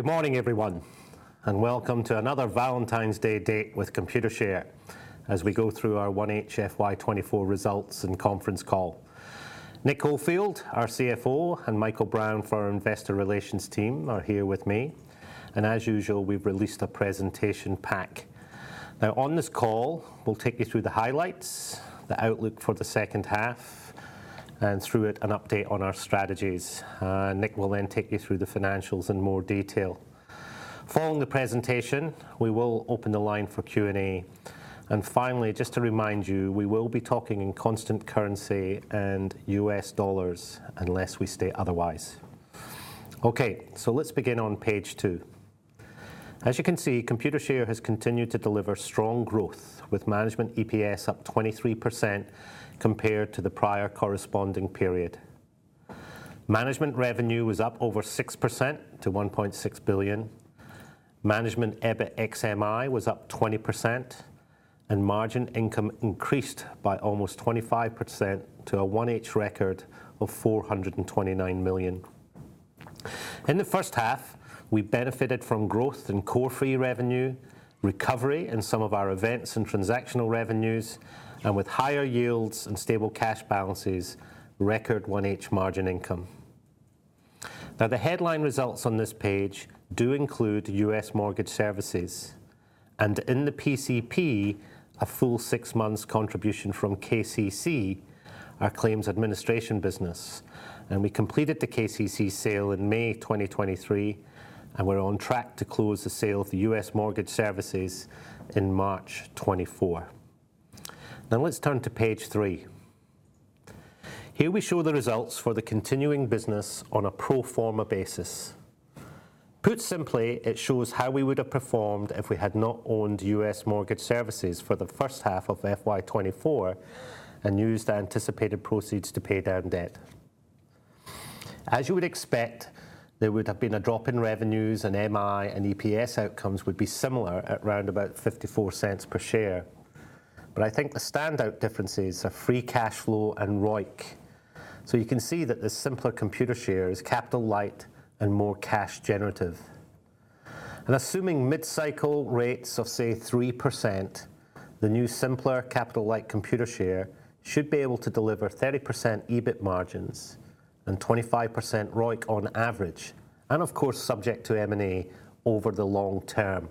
Good morning, everyone, and welcome to another Valentine's Day date with Computershare as we go through our 1H FY24 results and conference call. Nick Oldfield, our CFO, and Michael Brown for our investor relations team are here with me, and as usual, we've released a presentation pack. Now, on this call, we'll take you through the highlights, the outlook for the second half, and through it, an update on our strategies. Nick will then take you through the financials in more detail. Following the presentation, we will open the line for Q&A. Finally, just to remind you, we will be talking in constant currency and U.S. dollars unless we state otherwise. Okay, so let's begin on page two. As you can see, Computershare has continued to deliver strong growth, with management EPS up 23% compared to the prior corresponding period. Management revenue was up over 6% to $1.6 billion. Management EBIT ex-MI was up 20%, and margin income increased by almost 25% to a 1H record of $429 million. In the first half, we benefited from growth in core-free revenue, recovery in some of our events and transactional revenues, and with higher yields and stable cash balances, record 1H margin income. Now, the headline results on this page do include US mortgage services. In the PCP, a full 6-month contribution from KCC, our claims administration business. We completed the KCC sale in May 2023, and we're on track to close the sale of the US mortgage services in March 2024. Now, let's turn to page 3. Here we show the results for the continuing business on a pro forma basis. Put simply, it shows how we would have performed if we had not owned U.S. mortgage services for the first half of FY24 and used anticipated proceeds to pay down debt. As you would expect, there would have been a drop in revenues, and MI and EPS outcomes would be similar at around $0.54 per share. But I think the standout differences are free cash flow and ROIC. So you can see that the simpler Computershare is capital-light and more cash-generative. And assuming mid-cycle rates of, say, 3%, the new Simpler capital-light Computershare should be able to deliver 30% EBIT margins and 25% ROIC on average, and of course, subject to M&A over the long term.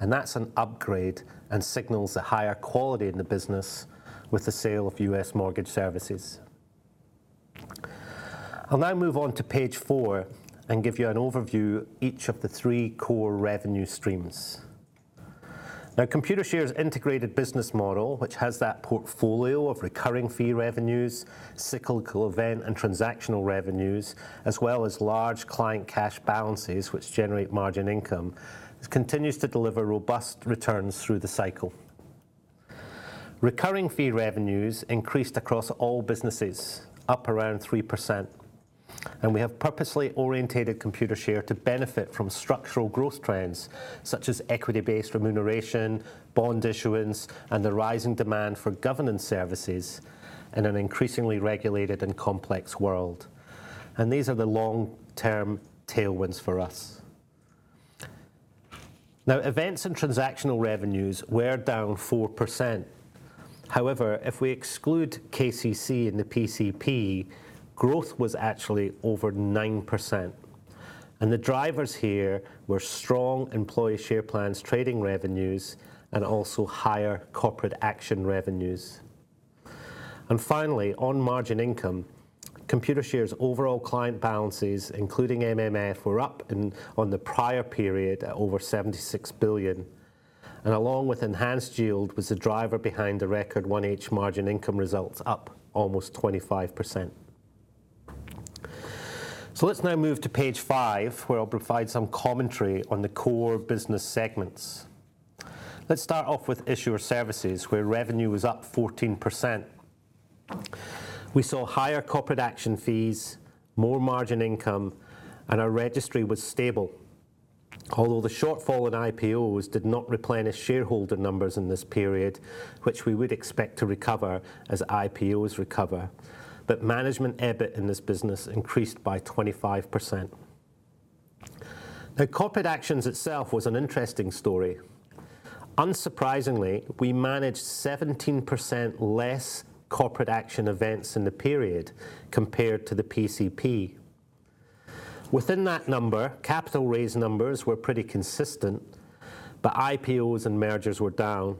And that's an upgrade and signals a higher quality in the business with the sale of U.S. mortgage services. I'll now move on to page 4 and give you an overview of each of the three core revenue streams. Now, Computershare's integrated business model, which has that portfolio of recurring fee revenues, cyclical event, and transactional revenues, as well as large client cash balances, which generate margin income, continues to deliver robust returns through the cycle. Recurring fee revenues increased across all businesses, up around 3%. We have purposely orientated Computershare to benefit from structural growth trends such as equity-based remuneration, bond issuance, and the rising demand for governance services in an increasingly regulated and complex world. These are the long-term tailwinds for us. Now, events and transactional revenues were down 4%. However, if we exclude KCC and the PCP, growth was actually over 9%. The drivers here were strong employee share plans trading revenues and also higher corporate action revenues. Finally, on margin income, Computershare's overall client balances, including MMF, were up on the prior period at over $76 billion. Along with enhanced yield was the driver behind the record 1H margin income results up almost 25%. Let's now move to page five, where I'll provide some commentary on the core business segments. Let's start off with issuer services, where revenue was up 14%. We saw higher corporate action fees, more margin income, and our registry was stable, although the shortfall in IPOs did not replenish shareholder numbers in this period, which we would expect to recover as IPOs recover. Management EBIT in this business increased by 25%. Now, corporate actions itself was an interesting story. Unsurprisingly, we managed 17% less corporate action events in the period compared to the PCP. Within that number, capital raise numbers were pretty consistent, but IPOs and mergers were down.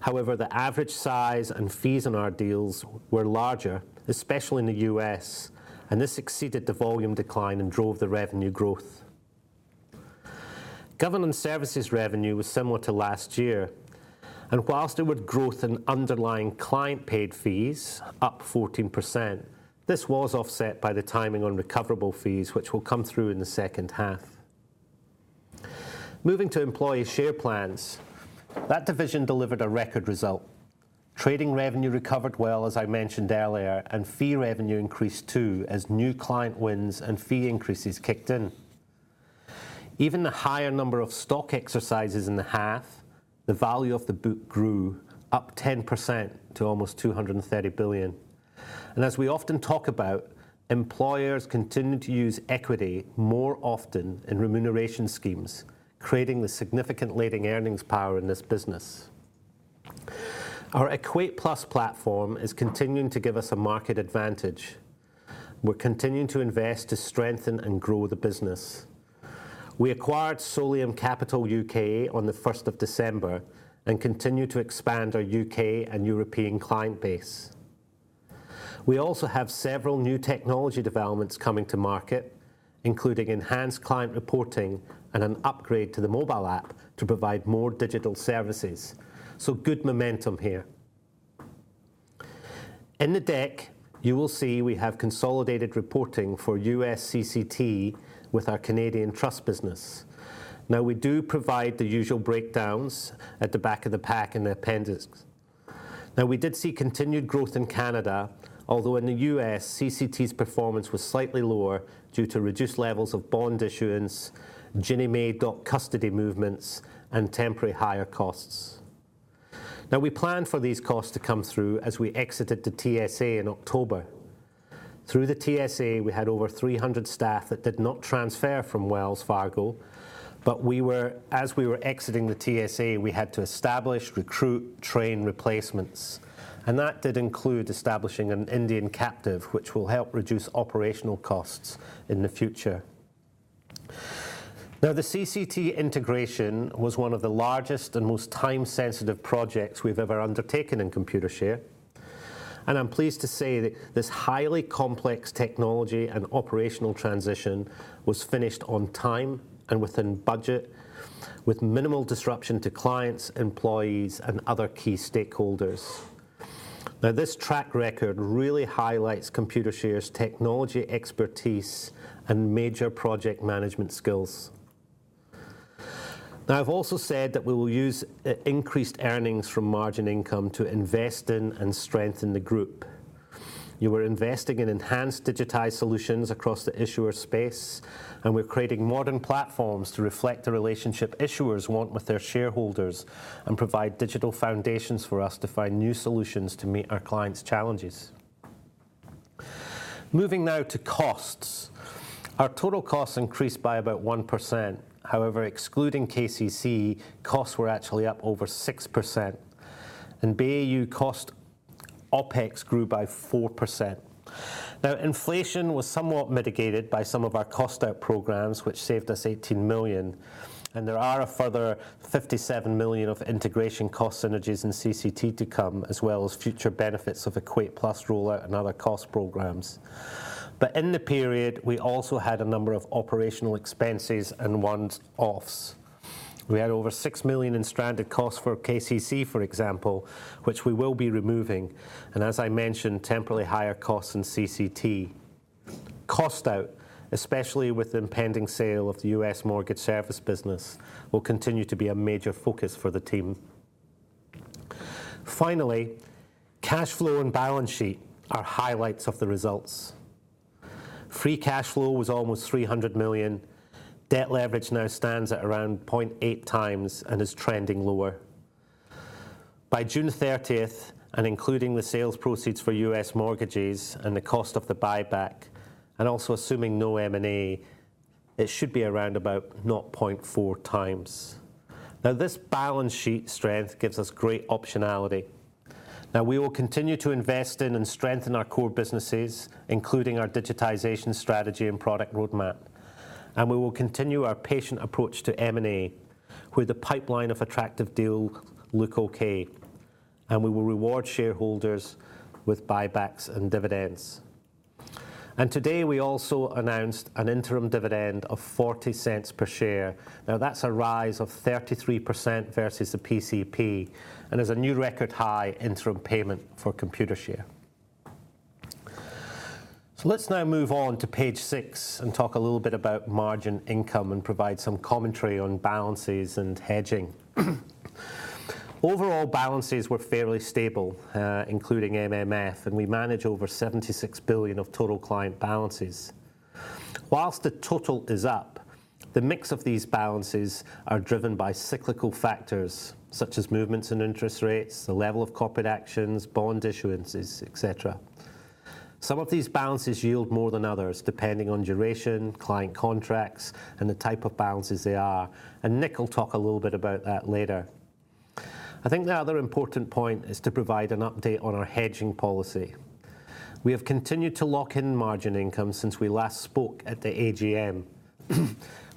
However, the average size and fees in our deals were larger, especially in the US, and this exceeded the volume decline and drove the revenue growth. Governance services revenue was similar to last year. While there was growth in underlying client-paid fees up 14%, this was offset by the timing on recoverable fees, which will come through in the second half. Moving to employee share plans, that division delivered a record result. Trading revenue recovered well, as I mentioned earlier, and fee revenue increased too as new client wins and fee increases kicked in. Even with the higher number of stock exercises in the half, the value of the book grew up 10% to almost $230 billion. And as we often talk about, employers continue to use equity more often in remuneration schemes, creating the significant leading earnings power in this business. Our EquatePlus platform is continuing to give us a market advantage. We're continuing to invest to strengthen and grow the business. We acquired Solium Capital UK on the 1st of December and continue to expand our UK and European client base. We also have several new technology developments coming to market, including enhanced client reporting and an upgrade to the mobile app to provide more digital services. So good momentum here. In the deck, you will see we have consolidated reporting for US CCT with our Canadian trust business. Now, we do provide the usual breakdowns at the back of the pack in the appendix. Now, we did see continued growth in Canada, although in the US, CCT's performance was slightly lower due to reduced levels of bond issuance, Ginnie Mae custody movements, and temporary higher costs. Now, we planned for these costs to come through as we exited the TSA in October. Through the TSA, we had over 300 staff that did not transfer from Wells Fargo. But as we were exiting the TSA, we had to establish, recruit, train replacements. And that did include establishing an Indian captive, which will help reduce operational costs in the future. Now, the CCT integration was one of the largest and most time-sensitive projects we've ever undertaken in Computershare. And I'm pleased to say that this highly complex technology and operational transition was finished on time and within budget, with minimal disruption to clients, employees, and other key stakeholders. Now, this track record really highlights Computershare's technology expertise and major project management skills. Now, I've also said that we will use increased earnings from margin income to invest in and strengthen the group. You were investing in enhanced digitized solutions across the issuer space, and we're creating modern platforms to reflect the relationship issuers want with their shareholders and provide digital foundations for us to find new solutions to meet our clients' challenges. Moving now to costs, our total costs increased by about 1%. However, excluding KCC, costs were actually up over 6%. And BAU cost OPEX grew by 4%. Now, inflation was somewhat mitigated by some of our cost-out programs, which saved us $18 million. And there are a further $57 million of integration cost synergies in CCT to come, as well as future benefits of Equate Plus rollout and other cost programs. But in the period, we also had a number of operational expenses and one-offs. We had over $6 million in stranded costs for KCC, for example, which we will be removing. And as I mentioned, temporarily higher costs in CCT. Cost-out, especially with the impending sale of the US mortgage service business, will continue to be a major focus for the team. Finally, cash flow and balance sheet are highlights of the results. Free cash flow was almost $300 million. Debt leverage now stands at around 0.8 times and is trending lower. By June 30th, and including the sales proceeds for US mortgages and the cost of the buyback, and also assuming no M&A, it should be around about 0.4 times. Now, this balance sheet strength gives us great optionality. Now, we will continue to invest in and strengthen our core businesses, including our digitization strategy and product roadmap. We will continue our patient approach to M&A, where the pipeline of attractive deals look OK. We will reward shareholders with buybacks and dividends. Today, we also announced an interim dividend of 0.40 per share. Now, that's a rise of 33% versus the PCP and is a new record high interim payment for Computershare. Let's now move on to page 6 and talk a little bit about margin income and provide some commentary on balances and hedging. Overall, balances were fairly stable, including MMF, and we manage over $76 billion of total client balances. While the total is up, the mix of these balances is driven by cyclical factors such as movements in interest rates, the level of corporate actions, bond issuances, etc. Some of these balances yield more than others, depending on duration, client contracts, and the type of balances they are. Nick will talk a little bit about that later. I think the other important point is to provide an update on our hedging policy. We have continued to lock in margin income since we last spoke at the AGM.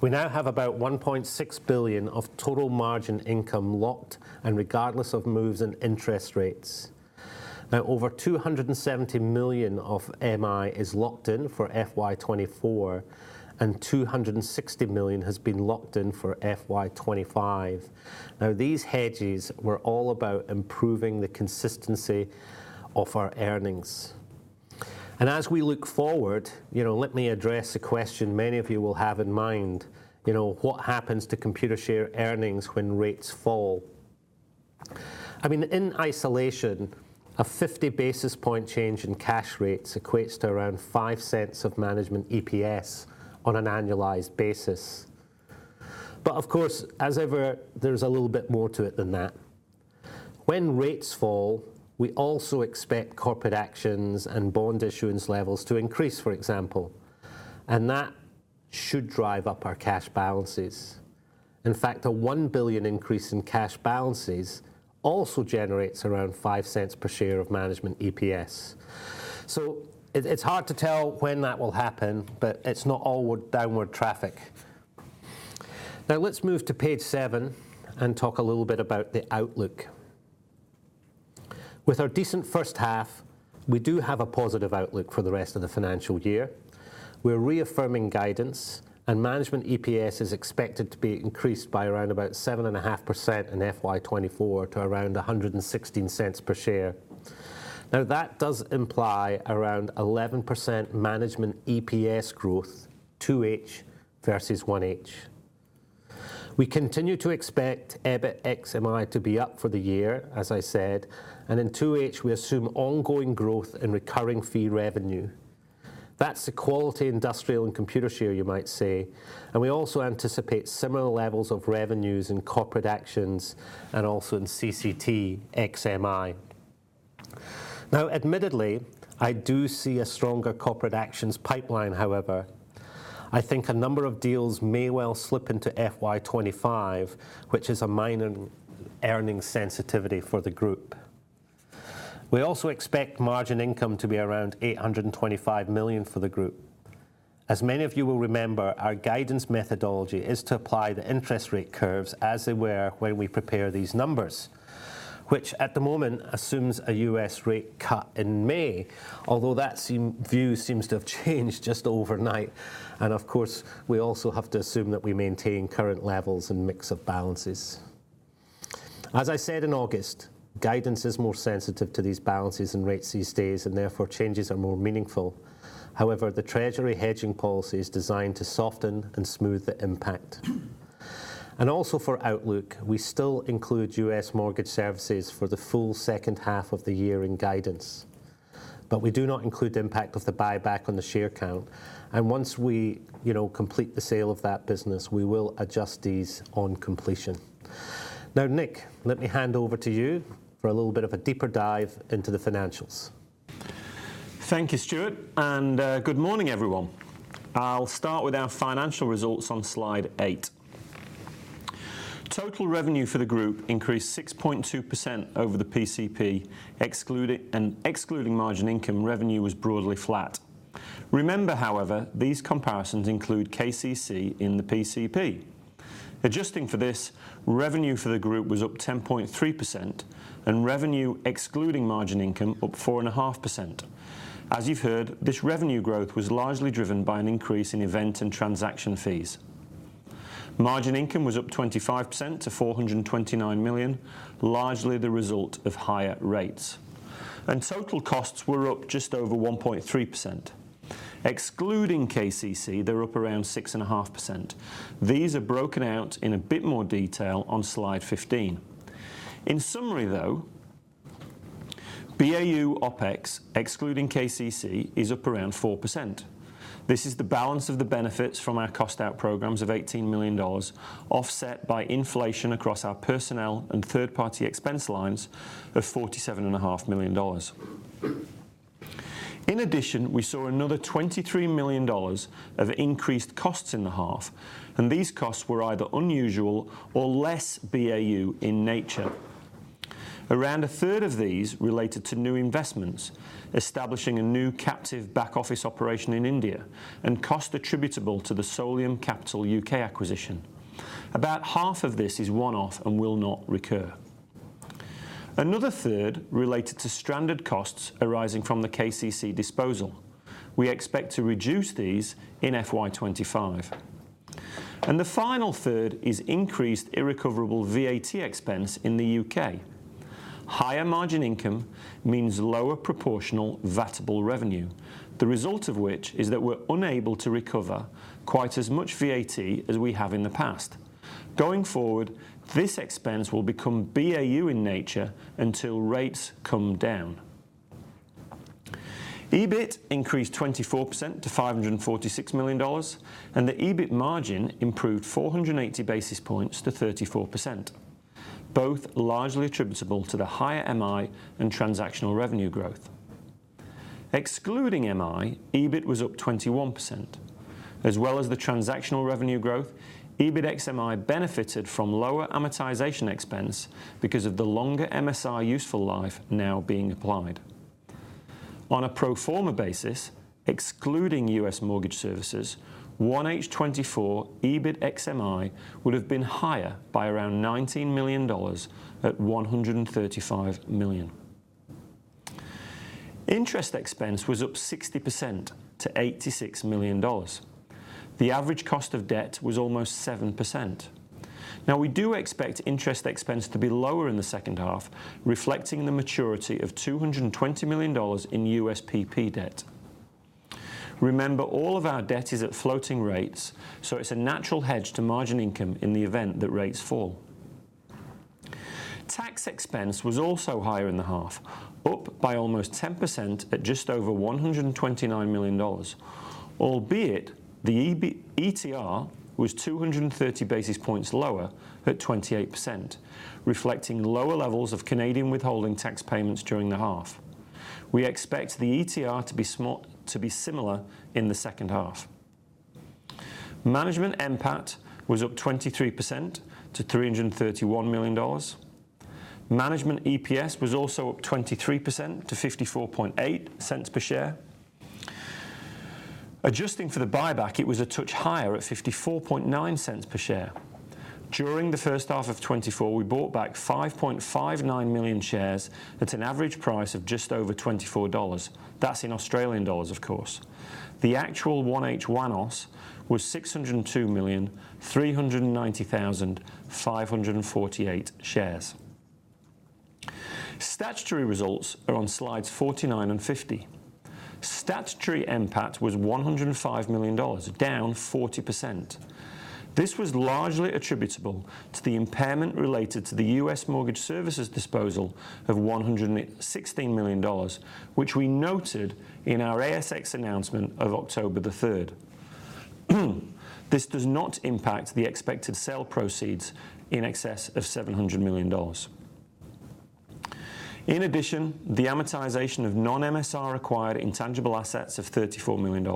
We now have about $1.6 billion of total margin income locked, and regardless of moves in interest rates. Now, over $270 million of MI is locked in for FY2024, and $260 million has been locked in for FY2025. Now, these hedges were all about improving the consistency of our earnings. As we look forward, let me address a question many of you will have in mind. What happens to Computershare earnings when rates fall? I mean, in isolation, a 50 basis points change in cash rates equates to around $0.05 of management EPS on an annualized basis. But of course, as ever, there's a little bit more to it than that. When rates fall, we also expect corporate actions and bond issuance levels to increase, for example. And that should drive up our cash balances. In fact, a $1 billion increase in cash balances also generates around $0.05 per share of management EPS. So it's hard to tell when that will happen, but it's not all downward traffic. Now, let's move to page 7 and talk a little bit about the outlook. With our decent first half, we do have a positive outlook for the rest of the financial year. We're reaffirming guidance, and management EPS is expected to be increased by around 7.5% in FY2024 to around $1.16 per share. Now, that does imply around 11% management EPS growth, 2H versus 1H. We continue to expect EBIT ex-MI to be up for the year, as I said. In 2H, we assume ongoing growth in recurring fee revenue. That's the quality industrial and Computershare, you might say. We also anticipate similar levels of revenues in corporate actions and also in CCT ex-MI. Now, admittedly, I do see a stronger corporate actions pipeline. However, I think a number of deals may well slip into FY25, which is a minor earnings sensitivity for the group. We also expect margin income to be around $825 million for the group. As many of you will remember, our guidance methodology is to apply the interest rate curves as they were when we prepare these numbers, which at the moment assumes a U.S. rate cut in May, although that view seems to have changed just overnight. Of course, we also have to assume that we maintain current levels and mix of balances. As I said in August, guidance is more sensitive to these balances and rates these days, and therefore changes are more meaningful. However, the Treasury hedging policy is designed to soften and smooth the impact. Also for outlook, we still include U.S. mortgage services for the full second half of the year in guidance. We do not include the impact of the buyback on the share count. Once we complete the sale of that business, we will adjust these on completion. Now, Nick, let me hand over to you for a little bit of a deeper dive into the financials. Thank you, Stuart. Good morning, everyone. I'll start with our financial results on slide 8. Total revenue for the group increased 6.2% over the PCP. Excluding margin income, revenue was broadly flat. Remember, however, these comparisons include KCC in the PCP. Adjusting for this, revenue for the group was up 10.3% and revenue excluding margin income up 4.5%. As you've heard, this revenue growth was largely driven by an increase in event and transaction fees. Margin income was up 25% to $429 million, largely the result of higher rates. Total costs were up just over 1.3%. Excluding KCC, they're up around 6.5%. These are broken out in a bit more detail on slide 15. In summary, though, BAU OPEX excluding KCC is up around 4%. This is the balance of the benefits from our cost-out programs of $18 million, offset by inflation across our personnel and third-party expense lines of $47.5 million. In addition, we saw another $23 million of increased costs in the half. These costs were either unusual or less BAU in nature. Around a third of these related to new investments, establishing a new captive back office operation in India, and cost attributable to the Solium Capital UK acquisition. About half of this is one-off and will not recur. Another third related to stranded costs arising from the KCC disposal. We expect to reduce these in FY 2025. The final third is increased irrecoverable VAT expense in the U.K. Higher margin income means lower proportional VATable revenue, the result of which is that we're unable to recover quite as much VAT as we have in the past. Going forward, this expense will become BAU in nature until rates come down. EBIT increased 24% to $546 million, and the EBIT margin improved 480 basis points to 34%, both largely attributable to the higher MI and transactional revenue growth. Excluding MI, EBIT was up 21%. As well as the transactional revenue growth, EBIT ex-MI benefited from lower amortization expense because of the longer MSI useful life now being applied. On a pro forma basis, excluding US mortgage services, 1H24 EBIT ex-MI would have been higher by around $19 million at $135 million. Interest expense was up 60% to $86 million. The average cost of debt was almost 7%. Now, we do expect interest expense to be lower in the second half, reflecting the maturity of $220 million in USPP debt. Remember, all of our debt is at floating rates, so it's a natural hedge to margin income in the event that rates fall. Tax expense was also higher in the half, up by almost 10% at just over $129 million, albeit the ETR was 230 basis points lower at 28%, reflecting lower levels of Canadian withholding tax payments during the half. We expect the ETR to be similar in the second half. Management MPAT was up 23% to $331 million. Management EPS was also up 23% to $0.548 per share. Adjusting for the buyback, it was a touch higher at $0.549 per share. During the first half of 2024, we bought back 5.59 million shares at an average price of just over 24 dollars. That's in Australian dollars, of course. The actual 1H WANOS was 602,390,548 shares. Statutory results are on slides 49 and 50. Statutory MPAT was $105 million, down 40%. This was largely attributable to the impairment related to the U.S. mortgage services disposal of $116 million, which we noted in our ASX announcement of October 3rd. This does not impact the expected sale proceeds in excess of $700 million. In addition, the amortization of non-MSI required intangible assets of $34 million,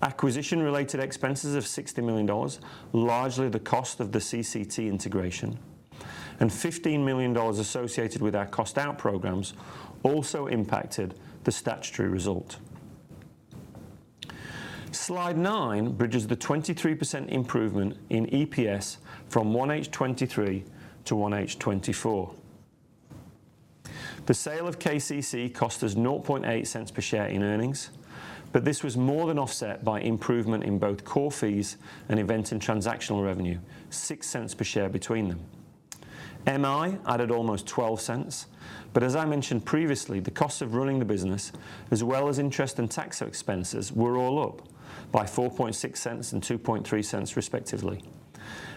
acquisition-related expenses of $60 million, largely the cost of the CCT integration, and $15 million associated with our cost-out programs also impacted the statutory result. Slide 9 bridges the 23% improvement in EPS from 1H23 to 1H24. The sale of KCC cost us $0.008 per share in earnings. But this was more than offset by improvement in both core fees and events in transactional revenue, $0.06 per share between them. MI added almost $0.12. But as I mentioned previously, the cost of running the business, as well as interest and tax expenses, were all up by $0.046 and $0.023, respectively.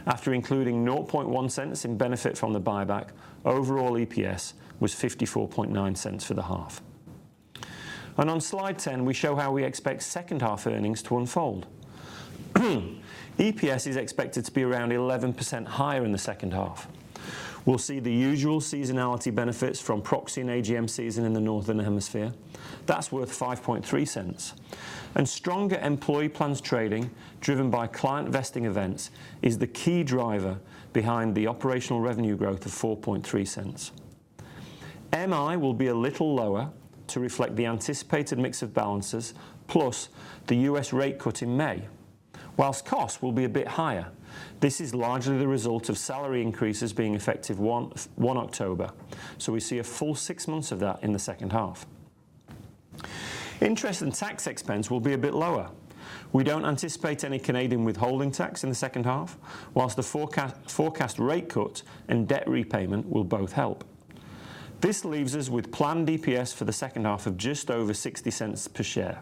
After including $0.001 in benefit from the buyback, overall EPS was $0.549 for the half. On slide 10, we show how we expect second half earnings to unfold. EPS is expected to be around 11% higher in the second half. We'll see the usual seasonality benefits from proxy and AGM season in the northern hemisphere. That's worth $0.053. Stronger employee plans trading driven by client vesting events is the key driver behind the operational revenue growth of $0.043. MI will be a little lower to reflect the anticipated mix of balances plus the US rate cut in May, while costs will be a bit higher. This is largely the result of salary increases being effective 1 October. So we see a full six months of that in the second half. Interest and tax expense will be a bit lower. We don't anticipate any Canadian withholding tax in the second half, while the forecast rate cut and debt repayment will both help. This leaves us with planned EPS for the second half of just over $0.60 per share.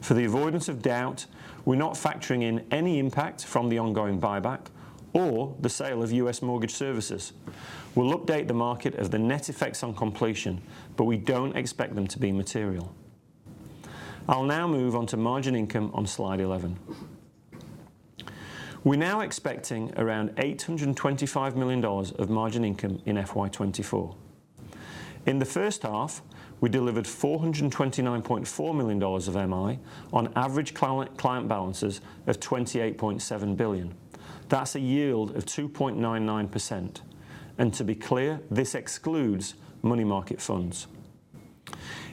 For the avoidance of doubt, we're not factoring in any impact from the ongoing buyback or the sale of US mortgage services. We'll update the market of the net effects on completion, but we don't expect them to be material. I'll now move on to margin income on slide 11. We're now expecting around $825 million of margin income in FY24. In the first half, we delivered $429.4 million of MI on average client balances of $28.7 billion. That's a yield of 2.99%. And to be clear, this excludes money market funds.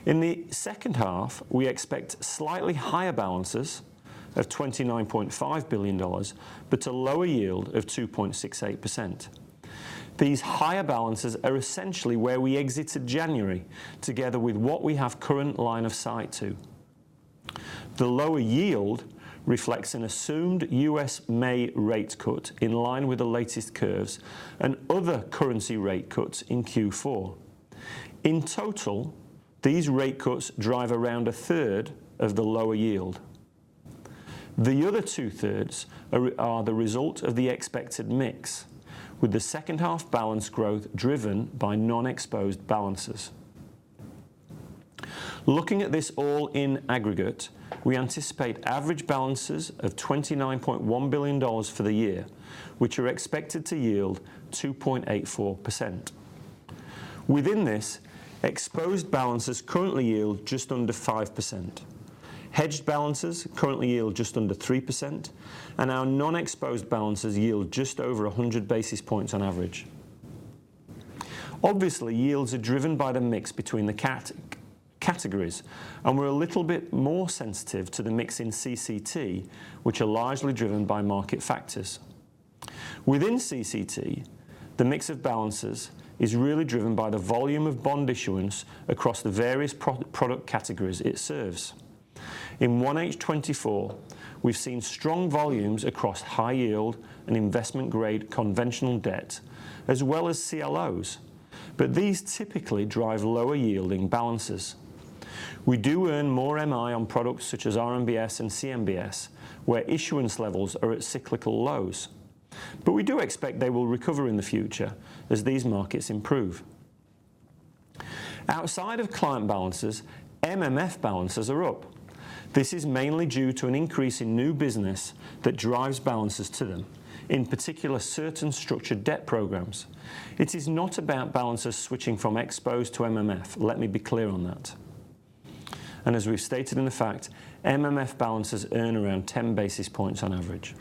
In the second half, we expect slightly higher balances of $29.5 billion, but a lower yield of 2.68%. These higher balances are essentially where we exited January, together with what we have current line of sight to. The lower yield reflects an assumed U.S. May rate cut in line with the latest curves and other currency rate cuts in Q4. In total, these rate cuts drive around a third of the lower yield. The other two thirds are the result of the expected mix, with the second half balance growth driven by non-exposed balances. Looking at this all in aggregate, we anticipate average balances of $29.1 billion for the year, which are expected to yield 2.84%. Within this, exposed balances currently yield just under 5%. Hedged balances currently yield just under 3%. Our non-exposed balances yield just over 100 basis points on average. Obviously, yields are driven by the mix between the categories. We're a little bit more sensitive to the mix in CCT, which are largely driven by market factors. Within CCT, the mix of balances is really driven by the volume of bond issuance across the various product categories it serves. In 1H2024, we've seen strong volumes across high-yield and investment-grade conventional debt, as well as CLOs. These typically drive lower-yielding balances. We do earn more MI on products such as RMBS and CMBS, where issuance levels are at cyclical lows. We do expect they will recover in the future as these markets improve. Outside of client balances, MMF balances are up. This is mainly due to an increase in new business that drives balances to them, in particular certain structured debt programs. It is not about balances switching from exposed to MMF. Let me be clear on that. As we have stated in fact, MMF balances earn around 10 basis points on average.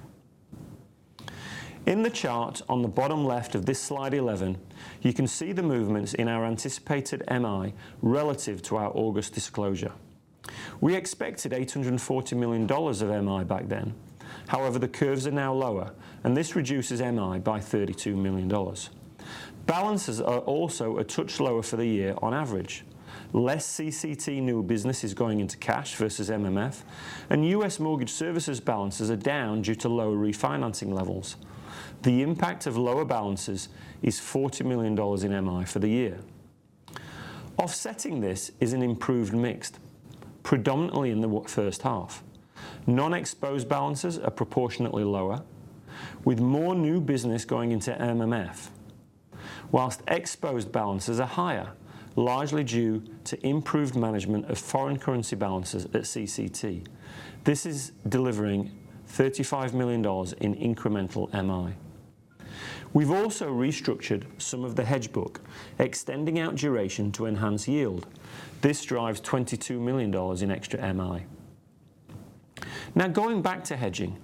In the chart on the bottom left of this slide 11, you can see the movements in our anticipated MI relative to our August disclosure. We expected $840 million of MI back then. However, the curves are now lower, and this reduces MI by $32 million. Balances are also a touch lower for the year on average. Less CCT new business is going into cash versus MMF. And U.S. mortgage services balances are down due to lower refinancing levels. The impact of lower balances is $40 million in MI for the year. Offsetting this is an improved mix, predominantly in the first half. Non-exposed balances are proportionately lower, with more new business going into MMF, while exposed balances are higher, largely due to improved management of foreign currency balances at CCT. This is delivering $35 million in incremental MI. We have also restructured some of the hedge book, extending out duration to enhance yield. This drives $22 million in extra MI. Now, going back to hedging,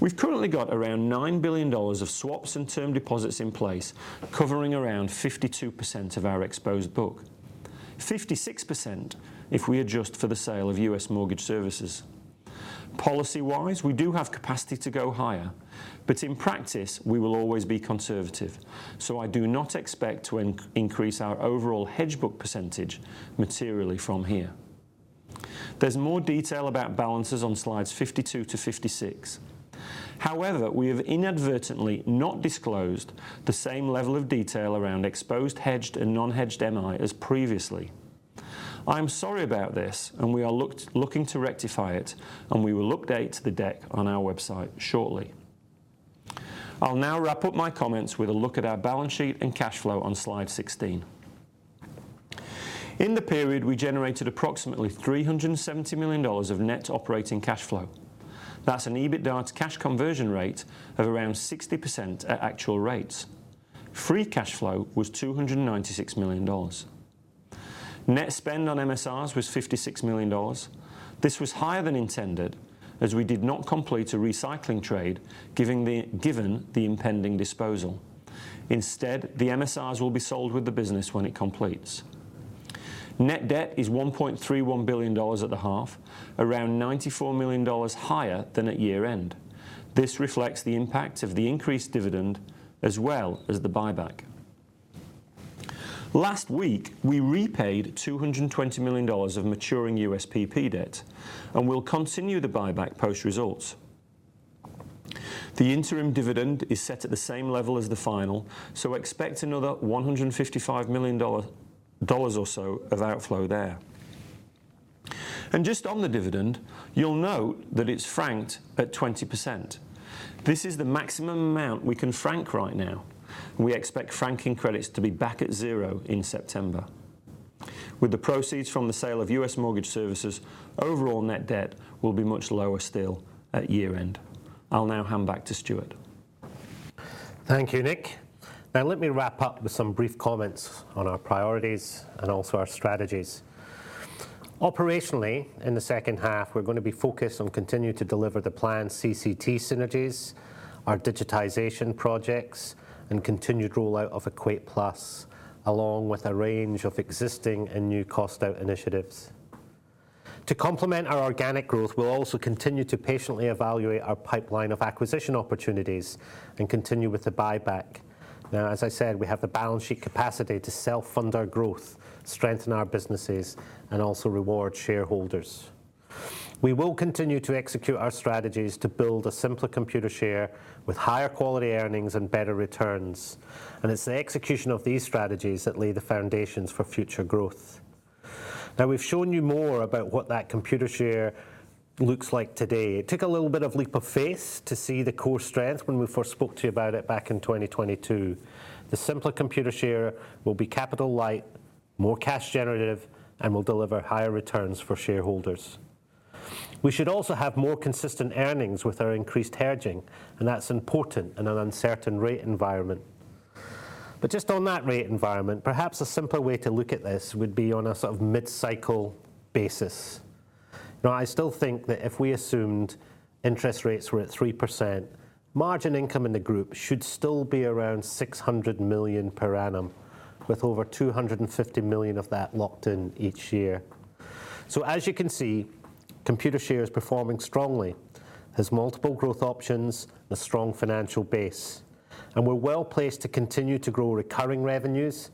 we have currently got around $9 billion of swaps and term deposits in place, covering around 52% of our exposed book, 56% if we adjust for the sale of U.S. mortgage services. Policy-wise, we do have capacity to go higher. But in practice, we will always be conservative. So I do not expect to increase our overall hedge book percentage materially from here. There is more detail about balances on slides 52-56. However, we have inadvertently not disclosed the same level of detail around exposed, hedged, and non-hedged MI as previously. I am sorry about this, and we are looking to rectify it. We will update the deck on our website shortly. I will now wrap up my comments with a look at our balance sheet and cash flow on slide 16. In the period, we generated approximately $370 million of net operating cash flow. That is an EBITDA to cash conversion rate of around 60% at actual rates. Free cash flow was $296 million. Net spend on MSIs was $56 million. This was higher than intended, as we did not complete a recycling trade given the impending disposal. Instead, the MSIs will be sold with the business when it completes. Net debt is $1.31 billion at the half, around $94 million higher than at year-end. This reflects the impact of the increased dividend as well as the buyback. Last week, we repaid $220 million of maturing USPP debt and will continue the buyback post-results. The interim dividend is set at the same level as the final. So expect another $155 million or so of outflow there. Just on the dividend, you will note that it is franked at 20%. This is the maximum amount we can frank right now. We expect franking credits to be back at zero in September. With the proceeds from the sale of US mortgage services, overall net debt will be much lower still at year-end. I will now hand back to Stuart. Thank you, Nick. Now, let me wrap up with some brief comments on our priorities and also our strategies. Operationally, in the second half, we are going to be focused on continuing to deliver the planned CCT synergies, our digitization projects, and continued rollout of EquatePlus, along with a range of existing and new cost-out initiatives. To complement our organic growth, we will also continue to patiently evaluate our pipeline of acquisition opportunities and continue with the buyback. Now, as I said, we have the balance sheet capacity to self-fund our growth, strengthen our businesses, and also reward shareholders. We will continue to execute our strategies to build a simpler Computershare with higher quality earnings and better returns. And it is the execution of these strategies that lay the foundations for future growth. Now, we have shown you more about what that Computershare looks like today. It took a little bit of leap of faith to see the core strength when we first spoke to you about it back in 2022. The simpler Computershare will be capital light, more cash generative, and will deliver higher returns for shareholders. We should also have more consistent earnings with our increased hedging. And that is important in an uncertain rate environment. But just on that rate environment, perhaps a simpler way to look at this would be on a mid-cycle basis. I still think that if we assumed interest rates were at 3%, margin income in the group should still be around $600 million per annum, with over $250 million of that locked in each year. So, as you can see, Computershare is performing strongly, has multiple growth options, and a strong financial base. We are well placed to continue to grow recurring revenues,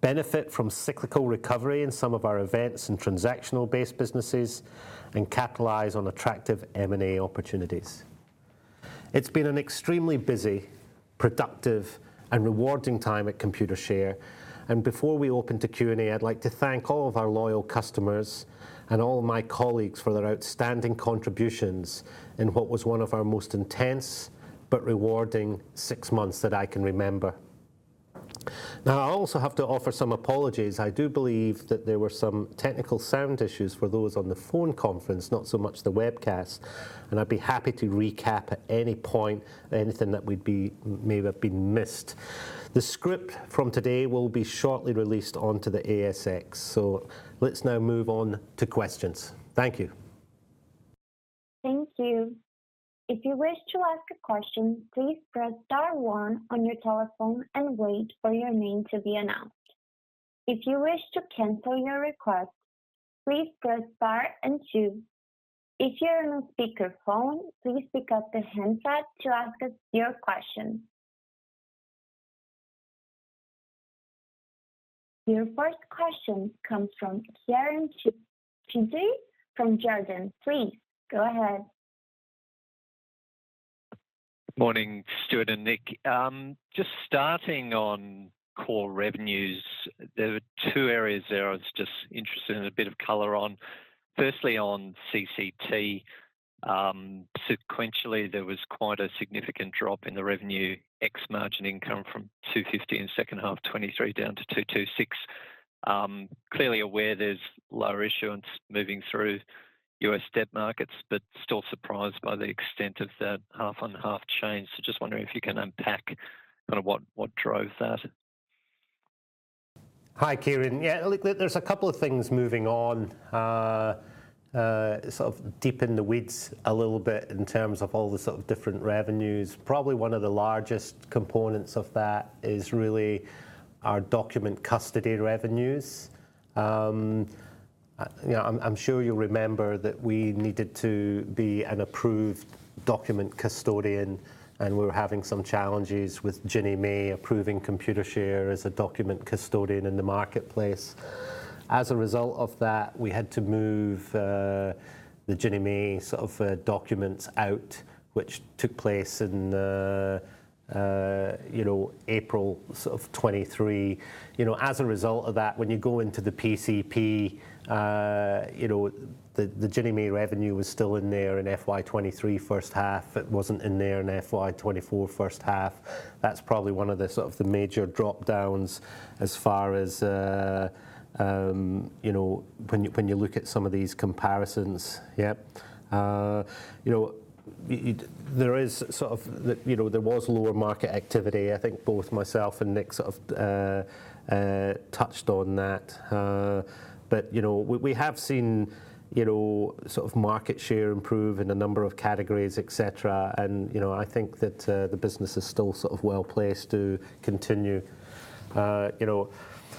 benefit from cyclical recovery in some of our events and transactional-based businesses, and capitalize on attractive M&A opportunities. It has been an extremely busy, productive, and rewarding time at Computershare. Before we open to Q&A, I would like to thank all of our loyal customers and all of my colleagues for their outstanding contributions in what was one of our most intense but rewarding six months that I can remember. Now, I also have to offer some apologies. I do believe that there were some technical sound issues for those on the phone conference, not so much the webcast. I would be happy to recap at any point anything that may have been missed. The script from today will be shortly released onto the ASX. Let us now move on to questions. Thank you. Thank you. If you wish to ask a question, please press star one on your telephone and wait for your name to be announced. If you wish to cancel your request, please press pound and two. If you are on a speakerphone, please pick up the handset to ask us your question. Your first question comes from Kieran Chidgey from Jarden. Please go ahead. Morning, Stuart and Nick. Just starting on core revenues, there were two areas there I was just interested in a bit of color on. Firstly, on CCT. Sequentially, there was quite a significant drop in the revenue ex-margin income from $250 in second half, $23 down to $226. Clearly aware there is lower issuance moving through US debt markets, but still surprised by the extent of that half-on-half change. So just wondering if you can unpack kind of what drove that. Hi, Kieran. look, there are a couple of things moving on deep in the weeds a little bit in terms of all the different revenues. Probably one of the largest components of that is really our document custody revenues. I am sure you will remember that we needed to be an approved document custodian. We were having some challenges with Ginnie Mae approving Computershare as a document custodian in the marketplace. As a result of that, we had to move the Ginnie Mae documents out, which took place in April 2023. As a result of that, when you go into the PCP, the Ginnie Mae revenue was still in there in FY23 first half. It was not in there in FY24 first half. That is probably one of the major drop-downs as far as when you look at some of these comparisons. Yeah. There is sort of there was lower market activity. I think both myself and Nick touched on that. But we have seen market share improve in a number of categories, et cetera. And I think that the business is still well placed to continue. It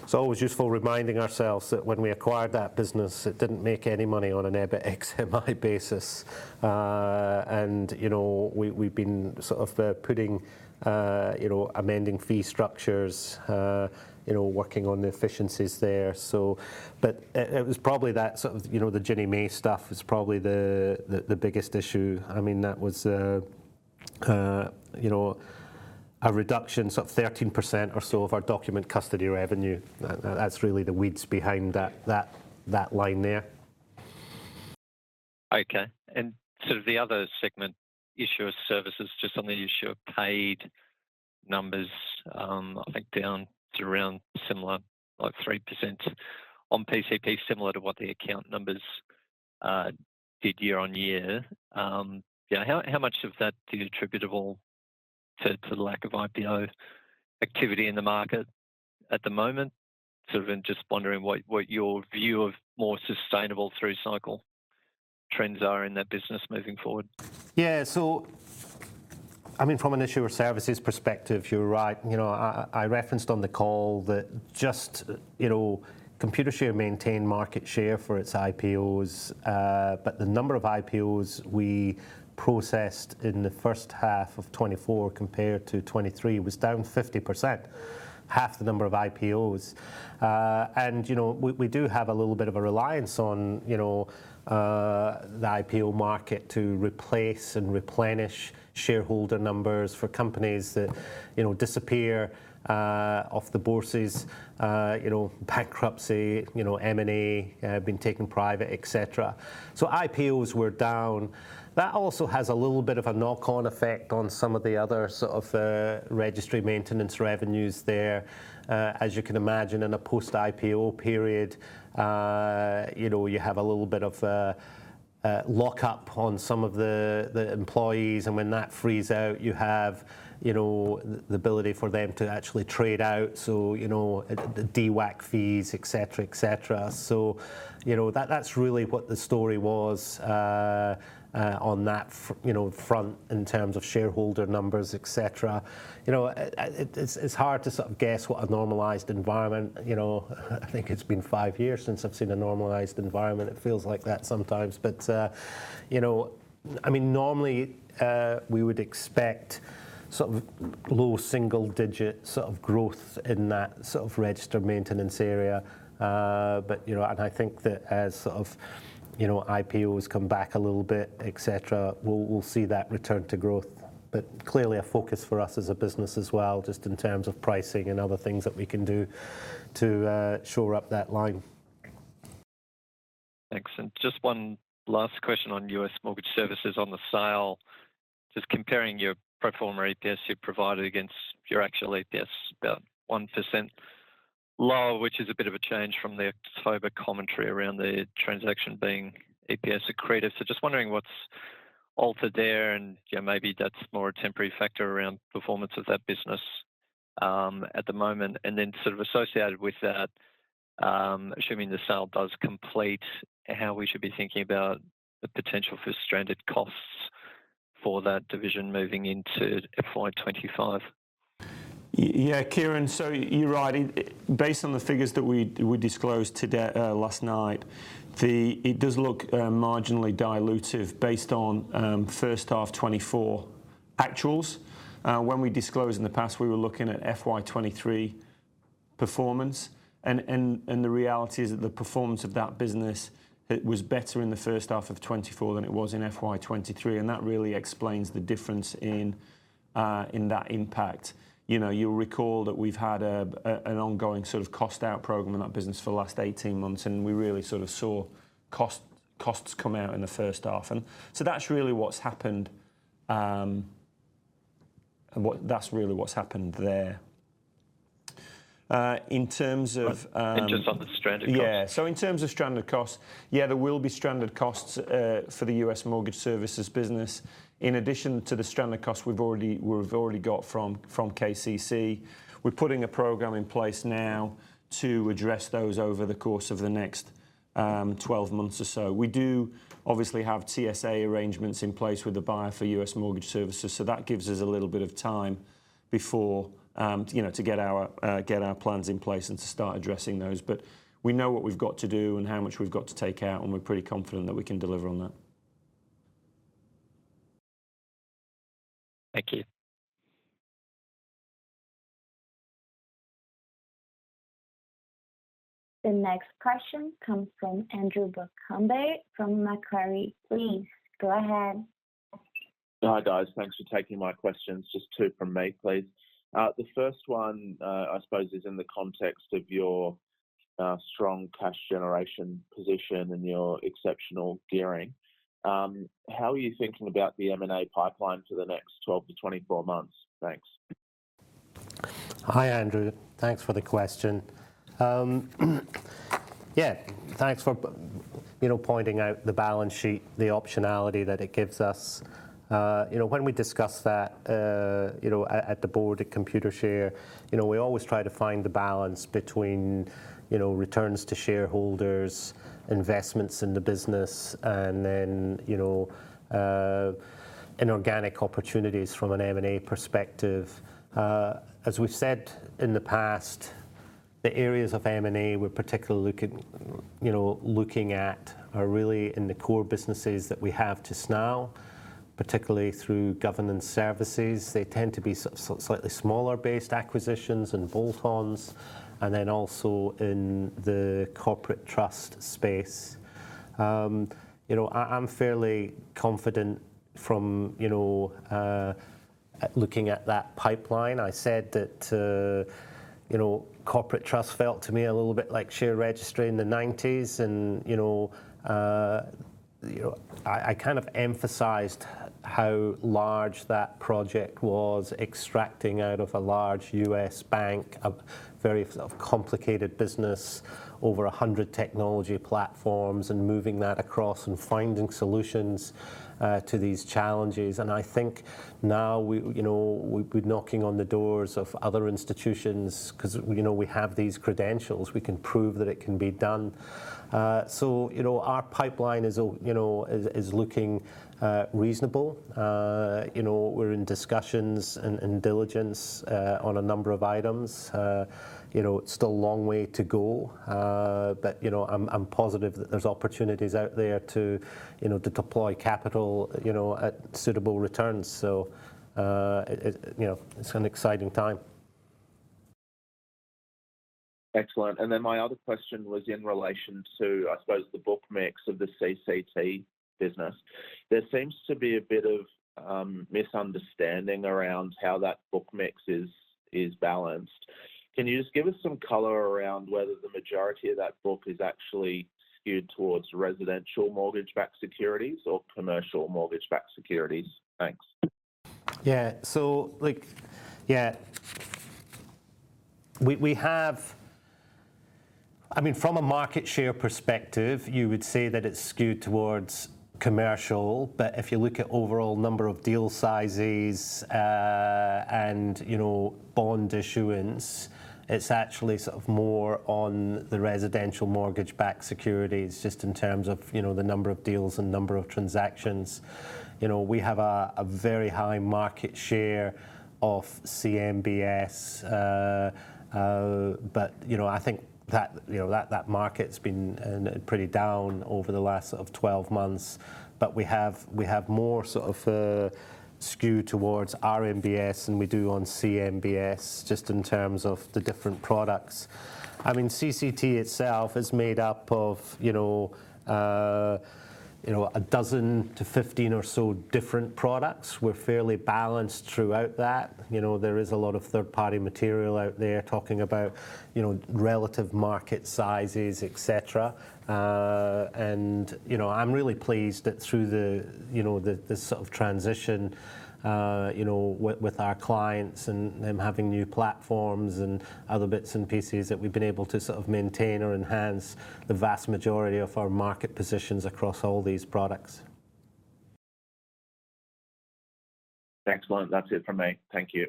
is always useful reminding ourselves that when we acquired that business, it did not make any money on an EBITDA ex-MI basis. And we have been putting amending fee structures, working on the efficiencies there. But it was probably that the Ginnie Mae stuff was probably the biggest issue. I mean, that was a reduction of 13% or so of our document custody revenue. That is really the weeds behind that line there. OK. And the other segment, issuer services, just on the issuer paid numbers, I think down to around similar like 3% on PCP, similar to what the account numbers did year-on-year. How much of that do you attribute at all to the lack of IPO activity in the market at the moment? Just wondering what your view of more sustainable through-cycle trends are in that business moving forward. Yeah. So I mean, from an issuer services perspective, you are right. I referenced on the call that just Computershare maintained market share for its IPOs. But the number of IPOs we processed in the first half of 2024 compared to 2023 was down 50%, half the number of IPOs. We do have a little bit of a reliance on the IPO market to replace and replenish shareholder numbers for companies that disappear off the bourses, bankruptcy, M&A, being taken private, et cetera. IPOs were down. That also has a little bit of a knock-on effect on some of the other registry maintenance revenues there. As you can imagine, in a post-IPO period, you have a little bit of lock-up on some of the employees. And when that frees out, you have the ability for them to actually trade out. DWAC fees, et cetera, et cetera. That is really what the story was on that front in terms of shareholder numbers, et cetera. It is hard to guess what a normalized environment, I think. It has been five years since I have seen a normalized environment. It feels like that sometimes. But I mean, normally, we would expect low single-digit growth in that register maintenance area. And I think that as IPOs come back a little bit, et cetera, we will see that return to growth. But clearly, a focus for us as a business as well, just in terms of pricing and other things that we can do to shore up that line. Excellent. Just one last question on U.S. mortgage services on the sale. Just comparing your pro forma EPS you provided against your actual EPS, about 1% low, which is a bit of a change from the October commentary around the transaction being EPS accretive. So just wondering what is altered there. And maybe that is more a temporary factor around performance of that business at the moment. And then associated with that, assuming the sale does complete, how we should be thinking about the potential for stranded costs for that division moving into FY2025? Yeah, Kieran. So you are right. Based on the figures that we disclosed last night, it does look marginally dilutive based on first half 2024 actuals. When we disclosed in the past, we were looking at FY2023 performance. And the reality is that the performance of that business was better in the first half of 2024 than it was in FY2023. And that really explains the difference in that impact. You will recall that we have had an ongoing cost-out program in that business for the last 18 months. And we really saw costs come out in the first half. And so that is really what has happened. That is really what has happened there. In terms of. Just on the stranded costs. Yeah. So in terms of stranded costs, yeah, there will be stranded costs for the U.S. mortgage services business. In addition to the stranded costs we have already got from KCC, we are putting a program in place now to address those over the course of the next 12 months or so. We do obviously have TSA arrangements in place with the buyer for U.S. mortgage services. So that gives us a little bit of time to get our plans in place and to start addressing those. But we know what we have got to do and how much we have got to take out. And we are pretty confident that we can deliver on that. Thank you. The next question comes from Andrew Buncombe from Macquarie. Please go ahead. Hi, guys. Thanks for taking my questions. Just two from me, please. The first one, I suppose, is in the context of your strong cash generation position and your exceptional gearing. How are you thinking about the M&A pipeline for the next 12-24 months? Thanks. Hi, Andrew. Thanks for the question. Yeah. Thanks for pointing out the balance sheet, the optionality that it gives us. When we discuss that at the board at Computershare, we always try to find the balance between returns to shareholders, investments in the business, and then inorganic opportunities from an M&A perspective. As we have said in the past, the areas of M&A we are particularly looking at are really in the core businesses that we have just now, particularly through governance services. They tend to be slightly smaller-based acquisitions and bolt-ons, and then also in the corporate trust space. I am fairly confident from looking at that pipeline. I said that corporate trust felt to me a little bit like share registry in the '90s. I kind of emphasized how large that project was extracting out of a large U.S. bank, a very complicated business, over 100 technology platforms, and moving that across and finding solutions to these challenges. I think now we are knocking on the doors of other institutions because we have these credentials. We can prove that it can be done. So our pipeline is looking reasonable. We are in discussions and diligence on a number of items. It is still a long way to go. But I am positive that there are opportunities out there to deploy capital at suitable returns. So it is an exciting time. Excellent. Then my other question was in relation to, I suppose, the book mix of the CCT business. There seems to be a bit of misunderstanding around how that book mix is balanced. Can you just give us some color around whether the majority of that book is actually skewed towards residential mortgage-backed securities or commercial mortgage-backed securities? Thanks. Yeah. So yeah. I mean, from a market share perspective, you would say that it is skewed towards commercial. But if you look at overall number of deal sizes and bond issuance, it is actually more on the residential mortgage-backed securities just in terms of the number of deals and number of transactions. We have a very high market share of CMBS. But I think that market has been pretty down over the last 12 months. But we have more skew towards RMBS. And we do on CMBS just in terms of the different products. I mean, CCT itself is made up of 12 to 15 or so different products. We are fairly balanced throughout that. There is a lot of third-party material out there talking about relative market sizes, et cetera. I am really pleased that through the transition with our clients and them having new platforms and other bits and pieces that we have been able to maintain or enhance the vast majority of our market positions across all these products. Excellent. That is it from me. Thank you.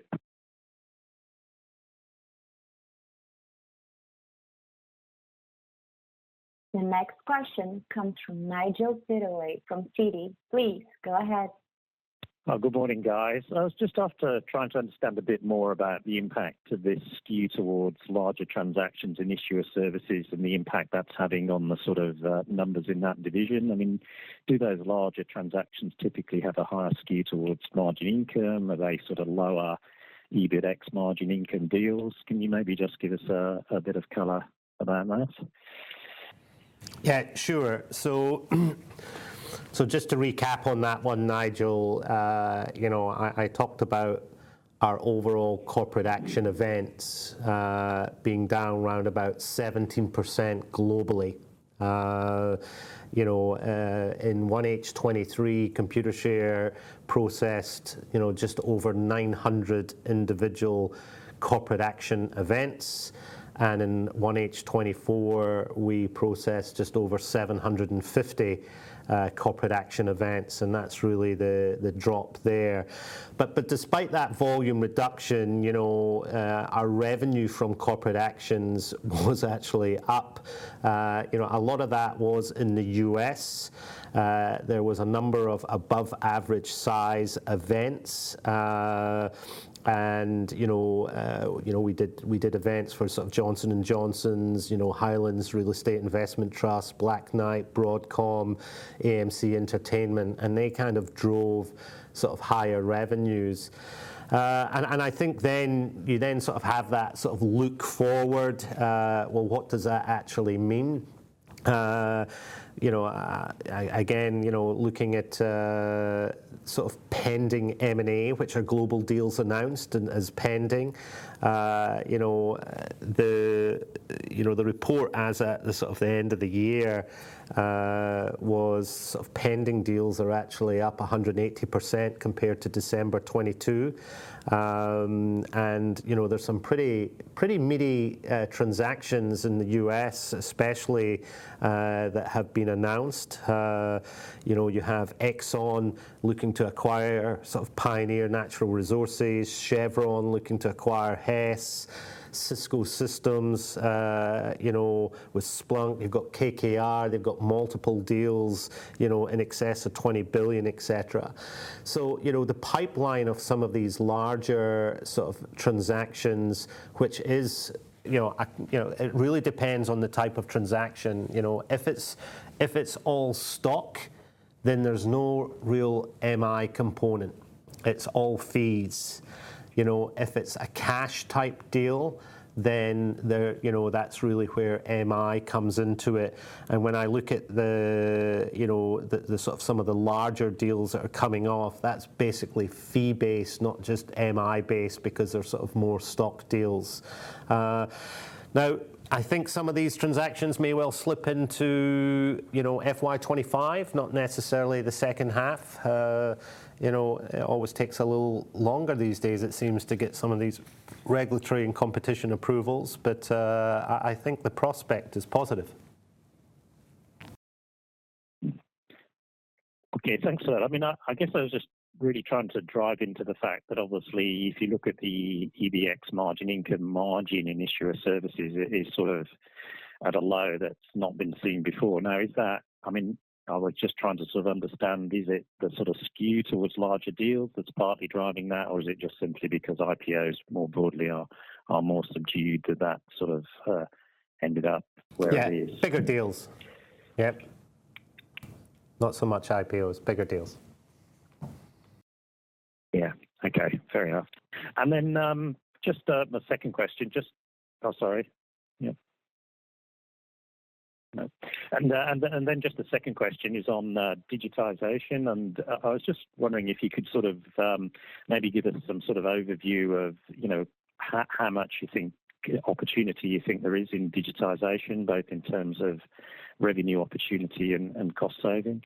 The next question comes from Nigel Pittaway from Citi. Please go ahead. Good morning, guys. I was just trying to understand a bit more about the impact of this skew towards larger transactions in issuer services and the impact that is having on the numbers in that division. I mean, do those larger transactions typically have a higher skew towards margin income? Are they lower EBITDA ex-margin income deals? Can you maybe just give us a bit of color about that? Yeah. Sure. So just to recap on that one, Nigel, I talked about our overall corporate action events being down around about 17% globally. In 1H23, Computershare processed just over 900 individual corporate action events. And in 1H24, we processed just over 750 corporate action events. And that is really the drop there. But despite that volume reduction, our revenue from corporate actions was actually up. A lot of that was in the U.S. There was a number of above-average-size events. And we did events for Johnson & Johnson, Highlands Real Estate Investment Trust, Black Knight, Broadcom, AMC Entertainment. And they kind of drove higher revenues. And I think then you then have that look forward. Well, what does that actually mean? Again, looking at pending M&A, which are global deals announced as pending, the report at the end of the year was pending deals are actually up 180% compared to December 2022. And there are some pretty meaty transactions in the U.S., especially, that have been announced. You have Exxon looking to acquire Pioneer Natural Resources, Chevron looking to acquire Hess, Cisco Systems with Splunk. You have got KKR. They have got multiple deals in excess of $20 billion, et cetera. So the pipeline of some of these larger transactions, which it really depends on the type of transaction. If it is all stock, then there is no real MI component. It is all fees. If it is a cash-type deal, then that is really where MI comes into it. And when I look at some of the larger deals that are coming off, that is basically fee-based, not just MI-based because they are more stock deals. Now, I think some of these transactions may well slip into FY25, not necessarily the second half. It always takes a little longer these days, it seems, to get some of these regulatory and competition approvals. But I think the prospect is positive. OK. Thanks for that. I mean, I guess I was just really trying to drive into the fact that, obviously, if you look at the EBX margin income margin in issue of services, it is at a low that has not been seen before. Now, is that I mean, I was just trying to understand, is it the skew towards larger deals that is partly driving that? Or is it just simply because IPOs more broadly are more subdued than that ended up where it is? Yeah. Bigger deals. Yeah. Not so much IPOs. Bigger deals. Yeah. OK. Fair enough. And then just my second question. Oh, sorry. Yeah. And then just the second question is on digitization. And I was just wondering if you could maybe give us some overview of how much opportunity you think there is in digitization, both in terms of revenue opportunity and cost saving?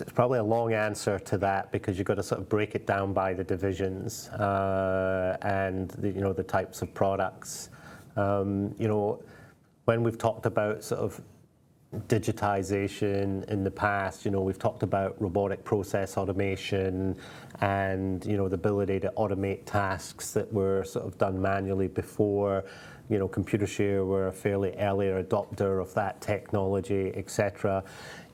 It is probably a long answer to that because you have got to break it down by the divisions and the types of products. When we have talked about digitization in the past, we have talked about robotic process automation and the ability to automate tasks that were done manually before. Computershare were a fairly early adopter of that technology, et cetera.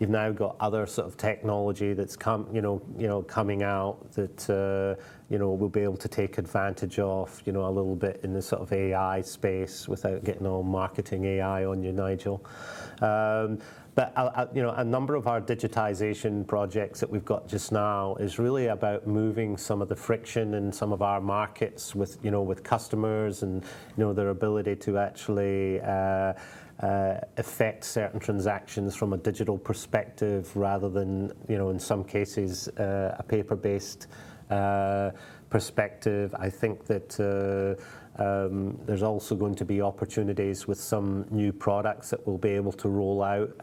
You have now got other technology that is coming out that we will be able to take advantage of a little bit in the AI space without getting all marketing AI on you, Nigel. But a number of our digitization projects that we have got just now is really about moving some of the friction in some of our markets with customers and their ability to actually affect certain transactions from a digital perspective rather than, in some cases, a paper-based perspective. I think that there is also going to be opportunities with some new products that we will be able to roll out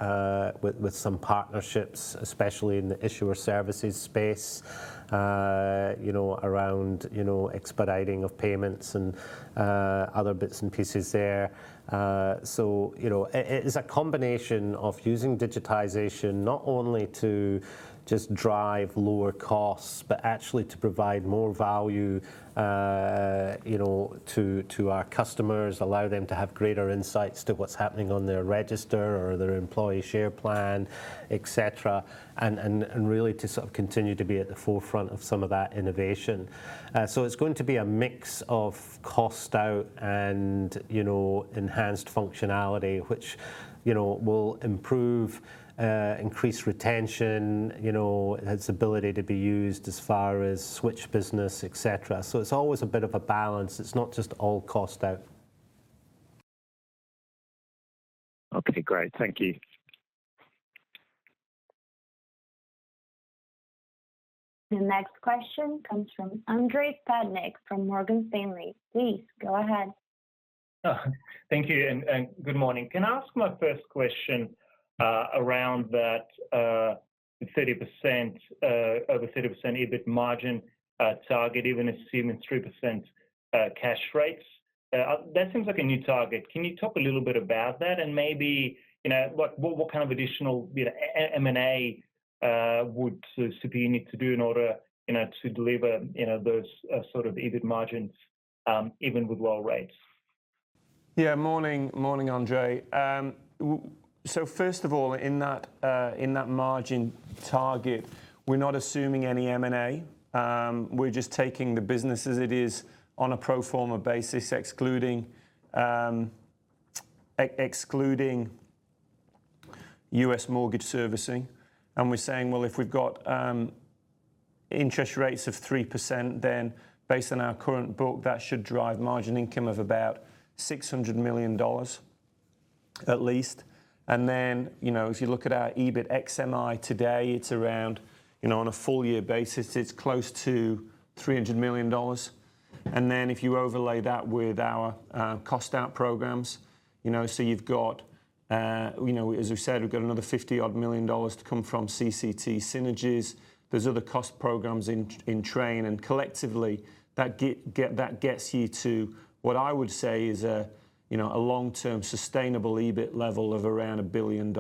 with some partnerships, especially in the issue of services space around expediting of payments and other bits and pieces there. So it is a combination of using digitization not only to just drive lower costs but actually to provide more value to our customers, allow them to have greater insights to what is happening on their register or their employee share plan, et cetera, and really to continue to be at the forefront of some of that innovation. So it is going to be a mix of cost out and enhanced functionality, which will increase retention, its ability to be used as far as switch business, et cetera. So it is always a bit of a balance. It is not just all cost out. OK. Great. Thank you. The next question comes from Andrei Stadnik from Morgan Stanley. Please go ahead. Thank you. And good morning. Can I ask my first question around that over 30% EBIT margin target, even assuming 3% cash rates? That seems like a new target. Can you talk a little bit about that? And maybe what kind of additional M&A would CPE need to do in order to deliver those EBIT margins even with low rates? Yeah. Morning, Andrei. So first of all, in that margin target, we are not assuming any M&A. We are just taking the business as it is on a pro forma basis, excluding US mortgage servicing. And we are saying, well, if we have got interest rates of 3%, then based on our current book, that should drive margin income of about $600 million at least. And then if you look at our EBIT XMI today, it is around on a full-year basis, it is close to $300 million. And then if you overlay that with our cost out programs, so you have got, as we have said, we have got another $50-odd million to come from CCT synergies. There are other cost programs in train. Collectively, that gets you to what I would say is a long-term sustainable EBIT level of around $1 billion.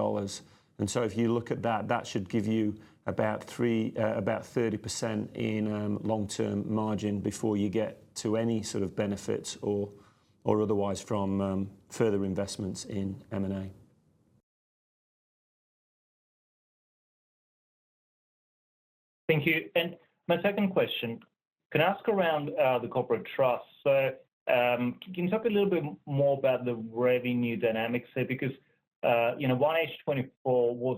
So if you look at that, that should give you about 30% in long-term margin before you get to any benefits or otherwise from further investments in M&A. Thank you. My second question, can I ask around the corporate trust? So can you talk a little bit more about the revenue dynamics there? Because 1H 2024,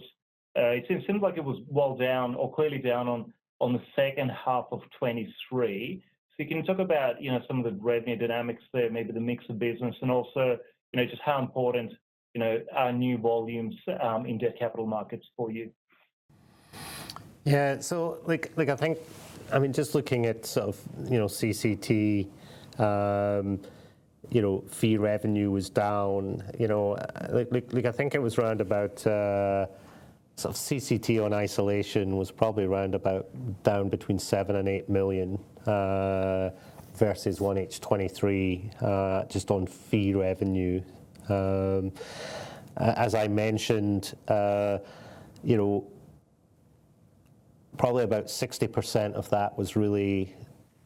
it seems like it was well down or clearly down on the second half of 2023. So can you talk about some of the revenue dynamics there, maybe the mix of business, and also just how important are new volumes in debt capital markets for you? Yeah. So I mean, just looking at CCT, fee revenue was down. I think it was around about CCT in isolation was probably around about down between $7 million and $8 million versus 1H23 just on fee revenue. As I mentioned, probably about 60% of that was really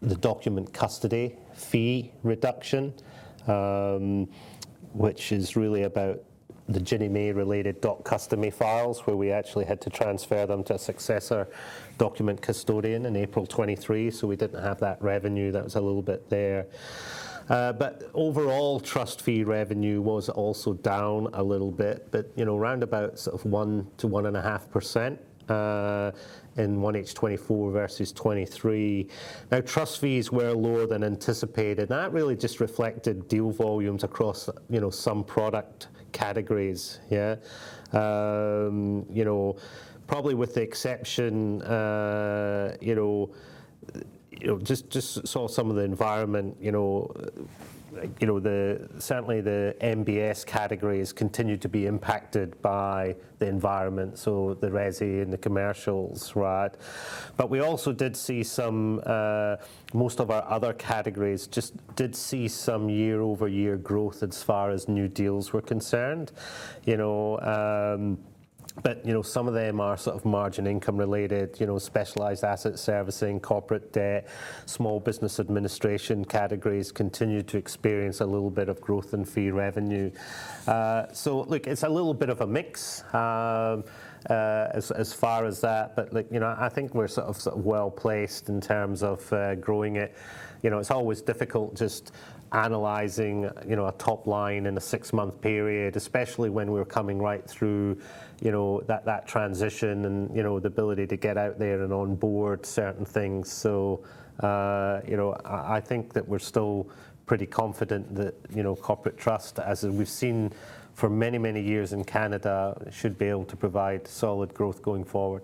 the document custody fee reduction, which is really about the Ginnie Mae-related custody files where we actually had to transfer them to a successor document custodian in April 2023. So we didn't have that revenue. That was a little bit there. But overall, trust fee revenue was also down a little bit, but around about 1%-1.5% in 1H24 versus 2023. Now, trust fees were lower than anticipated. And that really just reflected deal volumes across some product categories, probably with the exception just saw some of the environment. Certainly, the MBS categories continue to be impacted by the environment, so the resi and the commercials, right? But we also did see some most of our other categories just did see some year-over-year growth as far as new deals were concerned. But some of them are margin income-related, specialized asset servicing, corporate debt, Small Business Administration categories continue to experience a little bit of growth in fee revenue. So it is a little bit of a mix as far as that. But I think we are well placed in terms of growing it. It is always difficult just analyzing a top line in a six-month period, especially when we are coming right through that transition and the ability to get out there and onboard certain things. So I think that we are still pretty confident that corporate trust, as we have seen for many, many years in Canada, should be able to provide solid growth going forward.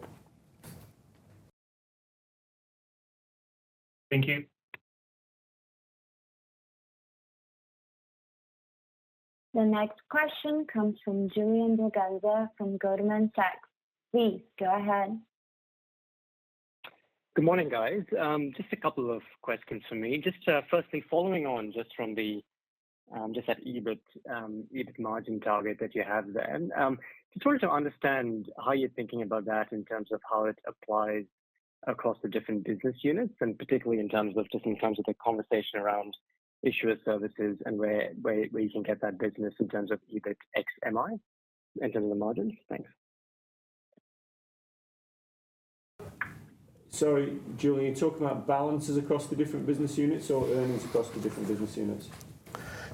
Thank you. The next question comes from Julian Braganza from Goldman Sachs. Please go ahead. Good morning, guys. Just a couple of questions for me. Firstly, following on just at EBIT margin target that you have there, just wanted to understand how you are thinking about that in terms of how it applies across the different business units, and particularly in terms of just the conversation around issuer services and where you can get that business in terms of EBIT XMI, in terms of the margins. Thanks. So Julian, you are talking about balances across the different business units or earnings across the different business units?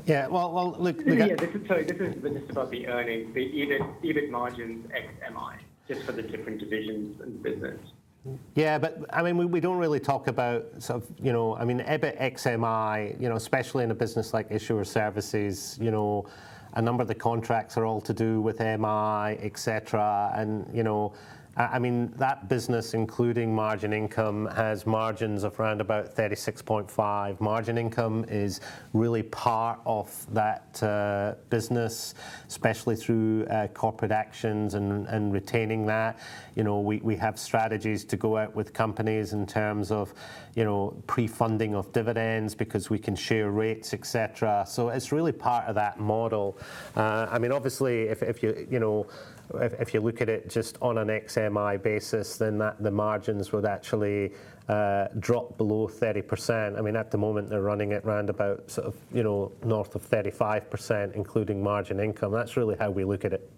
Yeah. Well, look. Yeah. Sorry. This is just about the earnings, the EBIT margins XMI, just for the different divisions in the business. Yeah. But I mean, we don't really talk about, I mean, EBIT XMI, especially in a business like Issuer Services. A number of the contracts are all to do with MI, et cetera. And I mean, that business, including margin income, has margins of around about 36.5%. Margin income is really part of that business, especially through corporate actions and retaining that. We have strategies to go out with companies in terms of pre-funding of dividends because we can share rates, et cetera. So it is really part of that model. I mean, obviously, if you look at it just on an XMI basis, then the margins would actually drop below 30%. I mean, at the moment, they are running it around about north of 35%, including margin income. That is really how we look at it.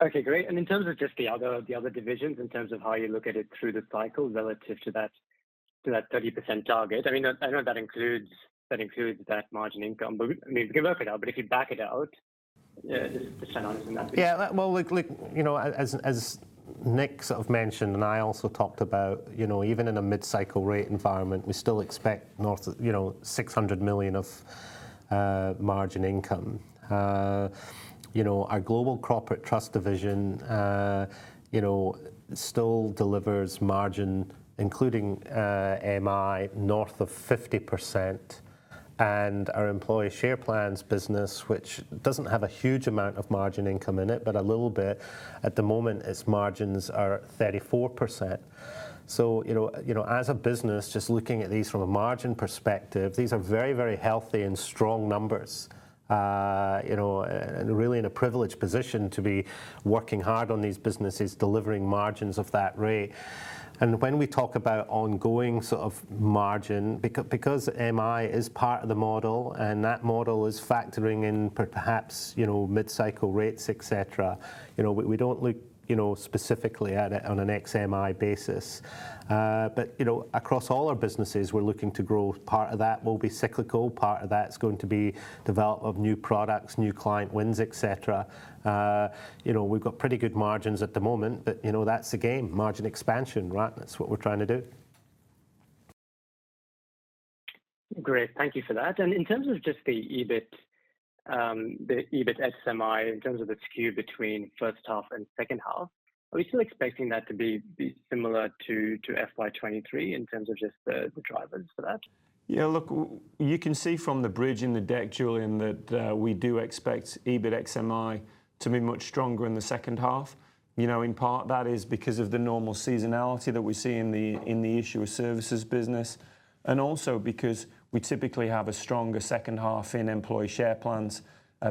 OK. Great. In terms of just the other divisions, in terms of how you look at it through the cycle relative to that 30% target, I know that includes that margin income. But I mean, we can work it out. But if you back it out, just trying to understand that. Yeah. Well, as Nick mentioned, and I also talked about, even in a mid-cycle rate environment, we still expect $600 million of margin income. Our global corporate trust division still delivers margin, including MI, north of 50%. And our employee share plans business, which doesn't have a huge amount of margin income in it but a little bit, at the moment, its margins are 34%. So as a business, just looking at these from a margin perspective, these are very, very healthy and strong numbers and really in a privileged position to be working hard on these businesses, delivering margins of that rate. And when we talk about ongoing margin, because MI is part of the model and that model is factoring in perhaps mid-cycle rates, et cetera, we don't look specifically at it on an XMI basis. But across all our businesses, we are looking to grow. Part of that will be cyclical. Part of that is going to be development of new products, new client wins, et cetera. We have got pretty good margins at the moment. But that is, again, margin expansion, right? That is what we are trying to do. Great. Thank you for that. And in terms of just the EBIT XMI, in terms of the skew between first half and second half, are we still expecting that to be similar to FY 2023 in terms of just the drivers for that? Yeah. Look, you can see from the bridge in the deck, Julian, that we do expect EBIT XMI to be much stronger in the second half. In part, that is because of the normal seasonality that we see in the issuer services business and also because we typically have a stronger second half in employee share plans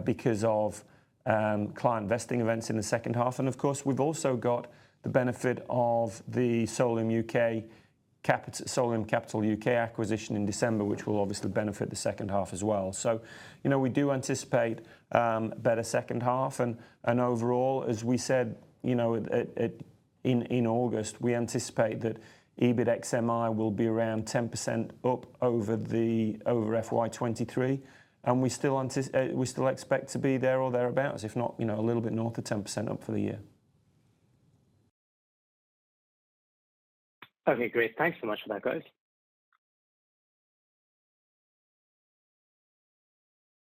because of client vesting events in the second half. And of course, we have also got the benefit of the Solium Capital UK acquisition in December, which will obviously benefit the second half as well. So we do anticipate a better second half. And overall, as we said in August, we anticipate that EBIT XMI will be around 10% up over FY 2023. And we still expect to be there or thereabouts, if not a little bit north of 10% up for the year. OK. Great. Thanks so much for that, guys.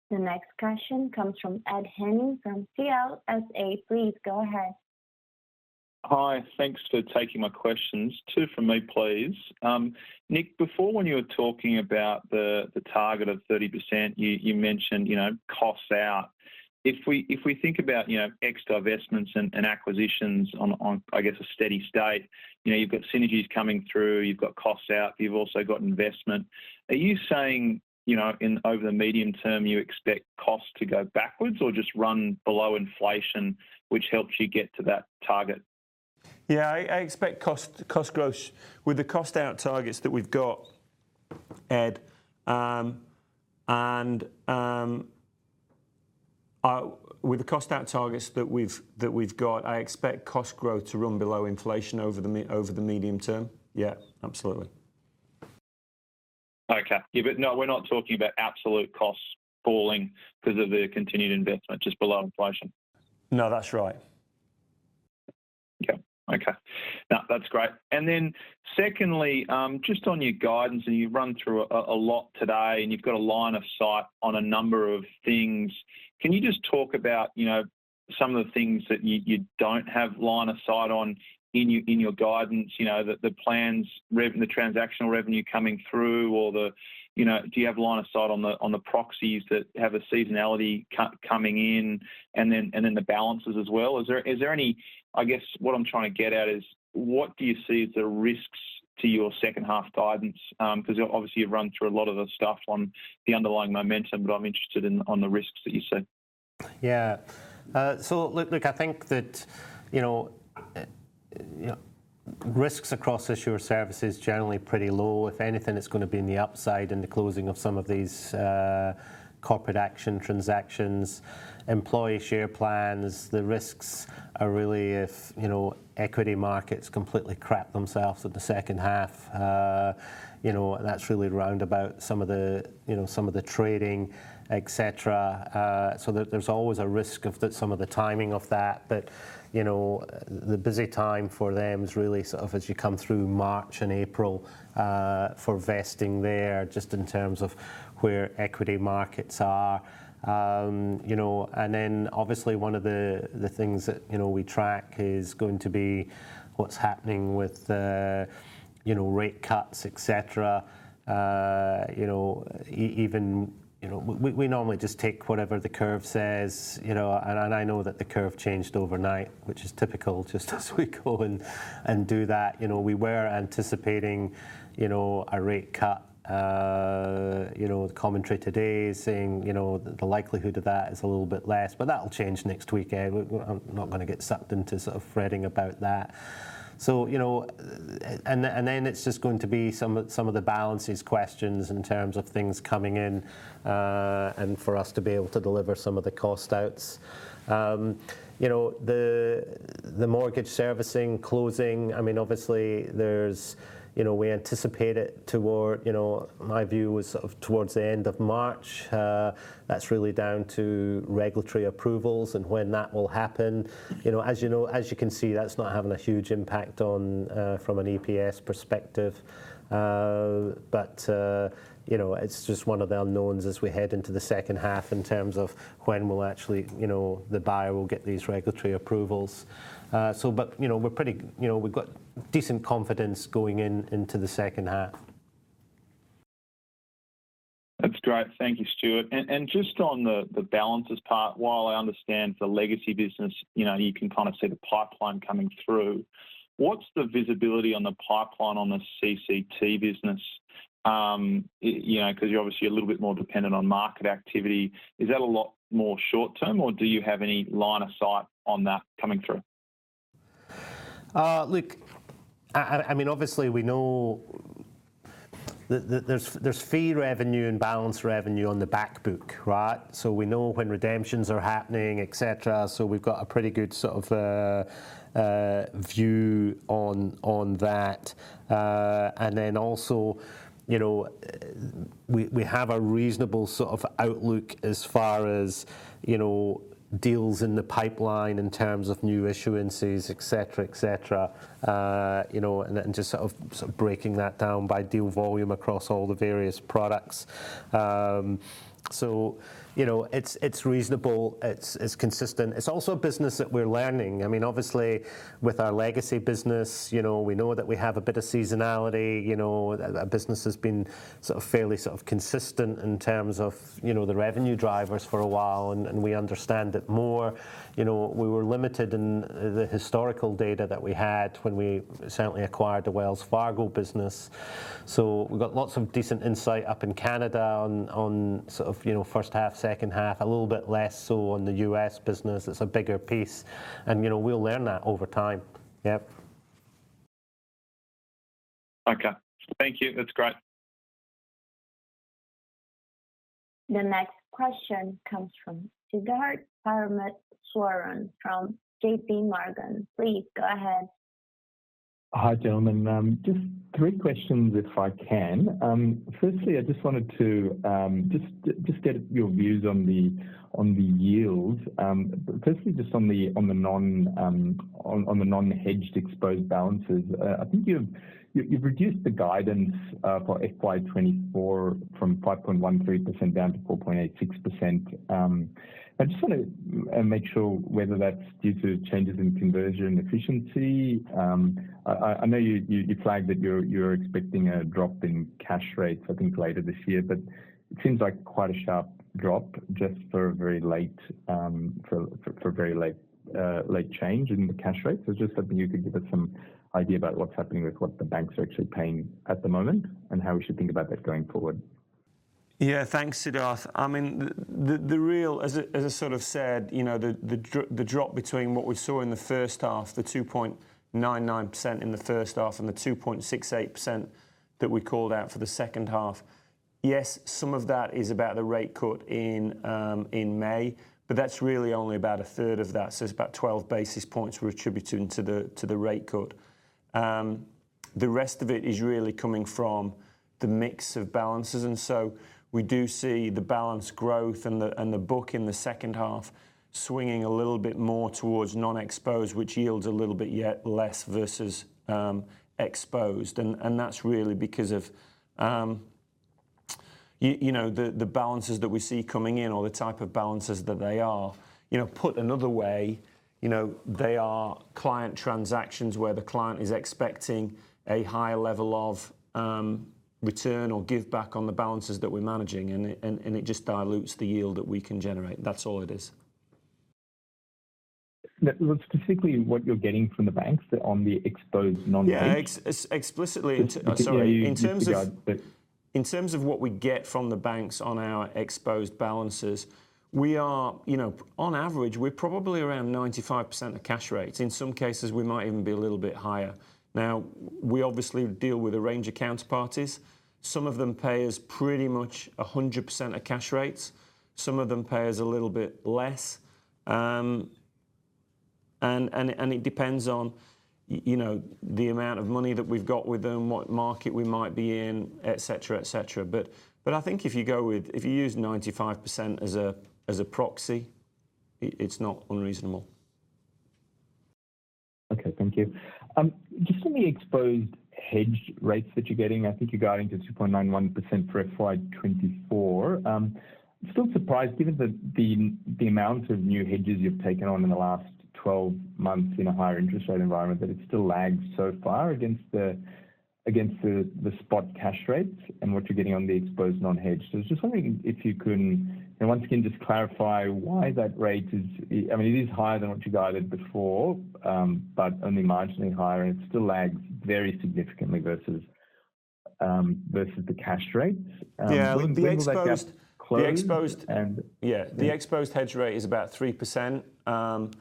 The next question comes from Ed Henning from CLSA. Please go ahead. Hi. Thanks for taking my questions. Two from me, please. Nick, before when you were talking about the target of 30%, you mentioned cost out. If we think about ex-divestments and acquisitions on, I guess, a steady state, you have got synergies coming through. You have got cost out. You have also got investment. Are you saying over the medium term, you expect cost to go backwards or just run below inflation, which helps you get to that target? Yeah. I expect cost growth with the cost out targets that we have got, Ed, and with the cost out targets that we have got, I expect cost growth to run below inflation over the medium term. Yeah. Absolutely. OK. No, we are not talking about absolute costs falling because of the continued investment, just below inflation. No. That's right. Yeah. OK. That's great. And then secondly, just on your guidance, and you have run through a lot today, and you have got a line of sight on a number of things, can you just talk about some of the things that you don't have line of sight on in your guidance, the transactional revenue coming through? Do you have line of sight on the proxies that have a seasonality coming in and then the balances as well? Is there any? I guess what I am trying to get at is what do you see as the risks to your second half guidance? Because obviously, you have run through a lot of the stuff on the underlying momentum. But I am interested in the risks that you see. Yeah. So look, I think that risks across issuer services are generally pretty low. If anything, it is going to be in the upside in the closing of some of these corporate action transactions, employee share plans. The risks are really if equity markets completely crap themselves in the second half. That is really roundabout some of the trading, et cetera. So there is always a risk of some of the timing of that. But the busy time for them is really as you come through March and April for vesting there, just in terms of where equity markets are. And then obviously, one of the things that we track is going to be what is happening with rate cuts, et cetera. We normally just take whatever the curve says. And I know that the curve changed overnight, which is typical just as we go and do that. We were anticipating a rate cut. The commentary today is saying the likelihood of that is a little bit less. But that will change next week, Ed. I am not going to get sucked into threading about that. And then it is just going to be some of the balances questions in terms of things coming in and for us to be able to deliver some of the cost outs. The mortgage servicing closing, I mean, obviously, we anticipate it toward my view is towards the end of March. That is really down to regulatory approvals and when that will happen. As you can see, that is not having a huge impact from an EPS perspective. But it is just one of the unknowns as we head into the second half in terms of when we will actually the buyer will get these regulatory approvals. But we have got decent confidence going into the second half. That is great. Thank you, Stuart. And just on the balances part, while I understand for legacy business, you can kind of see the pipeline coming through, what is the visibility on the pipeline on the CCT business? Because you are obviously a little bit more dependent on market activity. Is that a lot more short-term? Or do you have any line of sight on that coming through? Look, I mean, obviously, we know there is fee revenue and balance revenue on the backbook, right? So we know when redemptions are happening, et cetera. So we have got a pretty good view on that. And then also, we have a reasonable outlook as far as deals in the pipeline in terms of new issuances, et cetera, et cetera, and just breaking that down by deal volume across all the various products. So it is reasonable. It is consistent. It is also a business that we are learning. I mean, obviously, with our legacy business, we know that we have a bit of seasonality. Our business has been fairly consistent in terms of the revenue drivers for a while. And we understand it more. We were limited in the historical data that we had when we certainly acquired the Wells Fargo business. So we have got lots of decent insight up in Canada on first half, second half, a little bit less so on the US business. It is a bigger piece. And we will learn that over time. Yeah. OK. Thank you. That is great. The next question comes from Siddharth Parameswaran from JP Morgan. Please go ahead. Hi, gentlemen. Just three questions, if I can. Firstly, I just wanted to just get your views on the yields. Firstly, just on the non-hedged exposed balances, I think you have reduced the guidance for FY 2024 from 5.13% down to 4.86%. I just want to make sure whether that is due to changes in conversion efficiency. I know you flagged that you are expecting a drop in cash rates, I think, later this year. But it seems like quite a sharp drop just for a very late change in the cash rates. So just hoping you could give us some idea about what is happening with what the banks are actually paying at the moment and how we should think about that going forward. Yeah. Thanks, Siddharth. I mean, the real as I said, the drop between what we saw in the first half, the 2.99% in the first half and the 2.68% that we called out for the second half, yes, some of that is about the rate cut in May. But that is really only about a third of that. So it is about 12 basis points we are attributing to the rate cut. The rest of it is really coming from the mix of balances. So we do see the balance growth and the book in the second half swinging a little bit more towards non-exposed, which yields a little bit less versus exposed. And that is really because of the balances that we see coming in or the type of balances that they are. Put another way, they are client transactions where the client is expecting a higher level of return or give back on the balances that we are managing. And it just dilutes the yield that we can generate. That is all it is. Specifically, what you are getting from the banks on the exposed non-exposed. Yeah. Explicitly. In terms of what we get from the banks on our exposed balances, on average, we are probably around 95% of cash rates. In some cases, we might even be a little bit higher. Now, we obviously deal with a range of counterparties. Some of them pay us pretty much 100% of cash rates. Some of them pay us a little bit less. It depends on the amount of money that we have got with them, what market we might be in, et cetera, et cetera. I think if you use 95% as a proxy, it is not unreasonable. OK. Thank you. Just on the exposed hedge rates that you are getting, I think you are guiding to 2.91% for FY 2024. I am still surprised, given the amount of new hedges you have taken on in the last 12 months in a higher interest rate environment, that it still lags so far against the spot cash rates and what you are getting on the exposed non-hedge. So I was just wondering if you could once again just clarify why that rate is. I mean, it is higher than what you guided before, but only marginally higher. And it still lags very significantly versus the cash rates. Yeah. The exposed hedge rate is about 3% at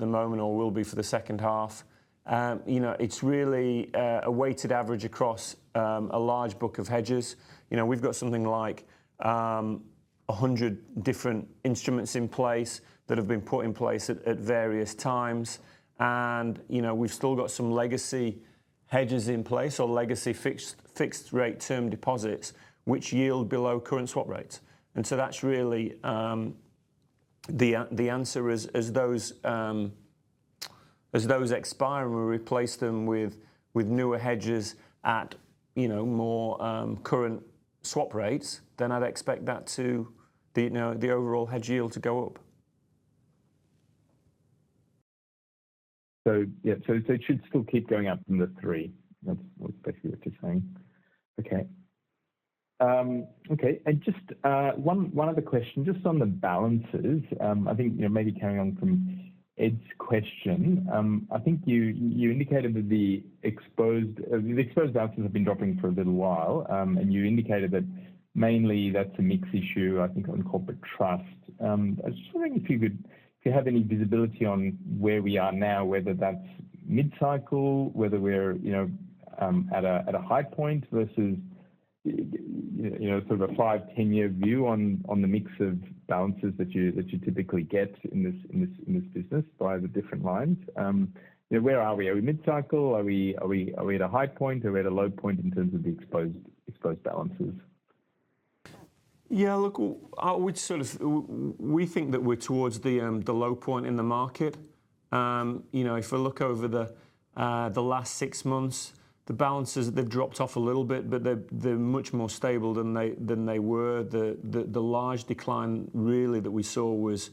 the moment or will be for the second half. It is really a weighted average across a large book of hedges. We have got something like 100 different instruments in place that have been put in place at various times. And we have still got some legacy hedges in place or legacy fixed-rate term deposits, which yield below current swap rates. And so that is really the answer. As those expire and we replace them with newer hedges at more current swap rates, then I would expect that to the overall hedge yield to go up. So it should still keep going up from the 3. That is basically what you are saying. OK. OK. And just one other question, just on the balances. I think maybe carrying on from Ed's question, I think you indicated that the exposed balances have been dropping for a little while. And you indicated that mainly that is a mix issue, I think, on corporate trust. I was just wondering if you have any visibility on where we are now, whether that is mid-cycle, whether we are at a high point versus a 5-10-year view on the mix of balances that you typically get in this business by the different lines. Where are we? Are we mid-cycle? Are we at a high point? Are we at a low point in terms of the exposed balances? Yeah. Look, we think that we are towards the low point in the market. If we look over the last six months, the balances have dropped off a little bit. But they are much more stable than they were. The large decline really that we saw was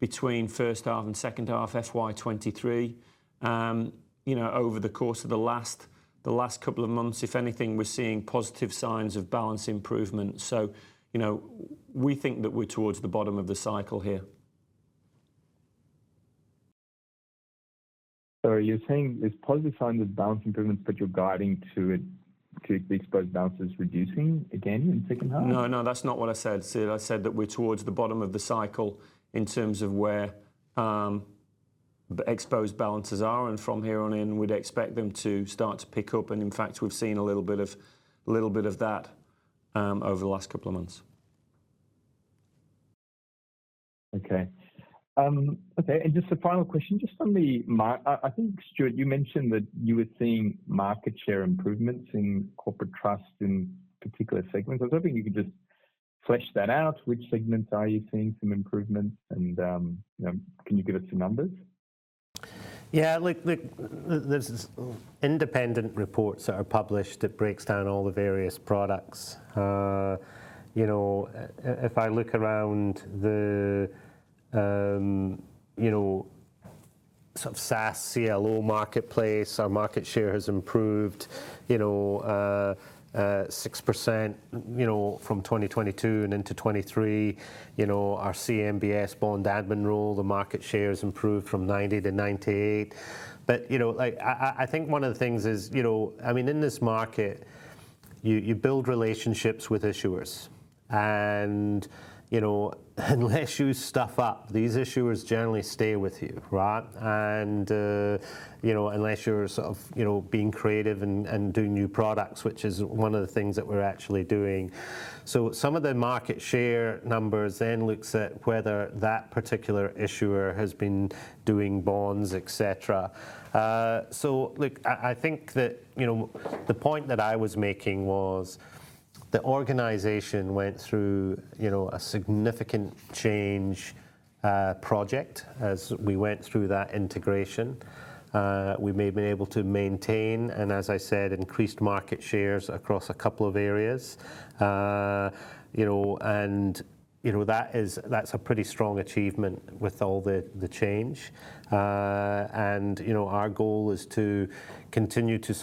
between first half and second half FY 2023. Over the course of the last couple of months, if anything, we are seeing positive signs of balance improvement. So we think that we are towards the bottom of the cycle here. So are you saying it is positive signs of balance improvement, but you are guiding to the exposed balances reducing again in the second half? No. No. That is not what I said, Stuart. I said that we are towards the bottom of the cycle in terms of where exposed balances are. From here on in, we would expect them to start to pick up. And in fact, we have seen a little bit of that over the last couple of months. OK. OK. And just a final question, just from the I think, Stuart, you mentioned that you were seeing market share improvements in corporate trust in particular segments. I was hoping you could just flesh that out. Which segments are you seeing some improvements? And can you give us some numbers? Yeah. Look, there are independent reports that are published that breaks down all the various products. If I look around the SAS CLO marketplace, our market share has improved 6% from 2022 and into 2023. Our CMBS bond admin role, the market share has improved from 90%-98%. But I think one of the things is, I mean, in this market, you build relationships with issuers. And unless you stuff up, these issuers generally stay with you, right? And unless you are being creative and doing new products, which is one of the things that we are actually doing. So some of the market share numbers then look at whether that particular issuer has been doing bonds, et cetera. So look, I think that the point that I was making was the organization went through a significant change project as we went through that integration. We may have been able to maintain, and as I said, increased market shares across a couple of areas. And that is a pretty strong achievement with all the change. And our goal is to continue to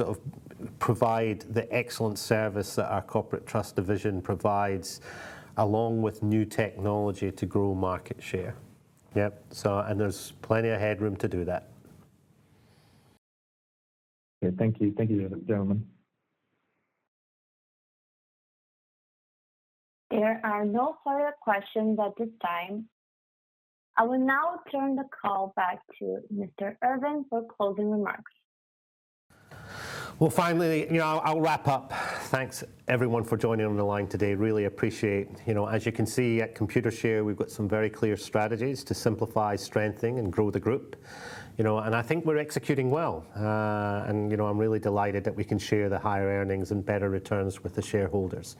provide the excellent service that our corporate trust division provides along with new technology to grow market share. Yeah. And there is plenty of headroom to do that. OK. Thank you. Thank you, gentlemen. There are no further questions at this time. I will now turn the call back to Mr. Irving for closing remarks. Well, finally, I will wrap up. Thanks, everyone, for joining on the line today. Really appreciate. As you can see at Computershare, we have got some very clear strategies to simplify, strengthen, and grow the group. I think we are executing well. I am really delighted that we can share the higher earnings and better returns with the shareholders.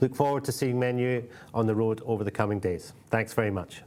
Look forward to seeing many on the road over the coming days. Thanks very much.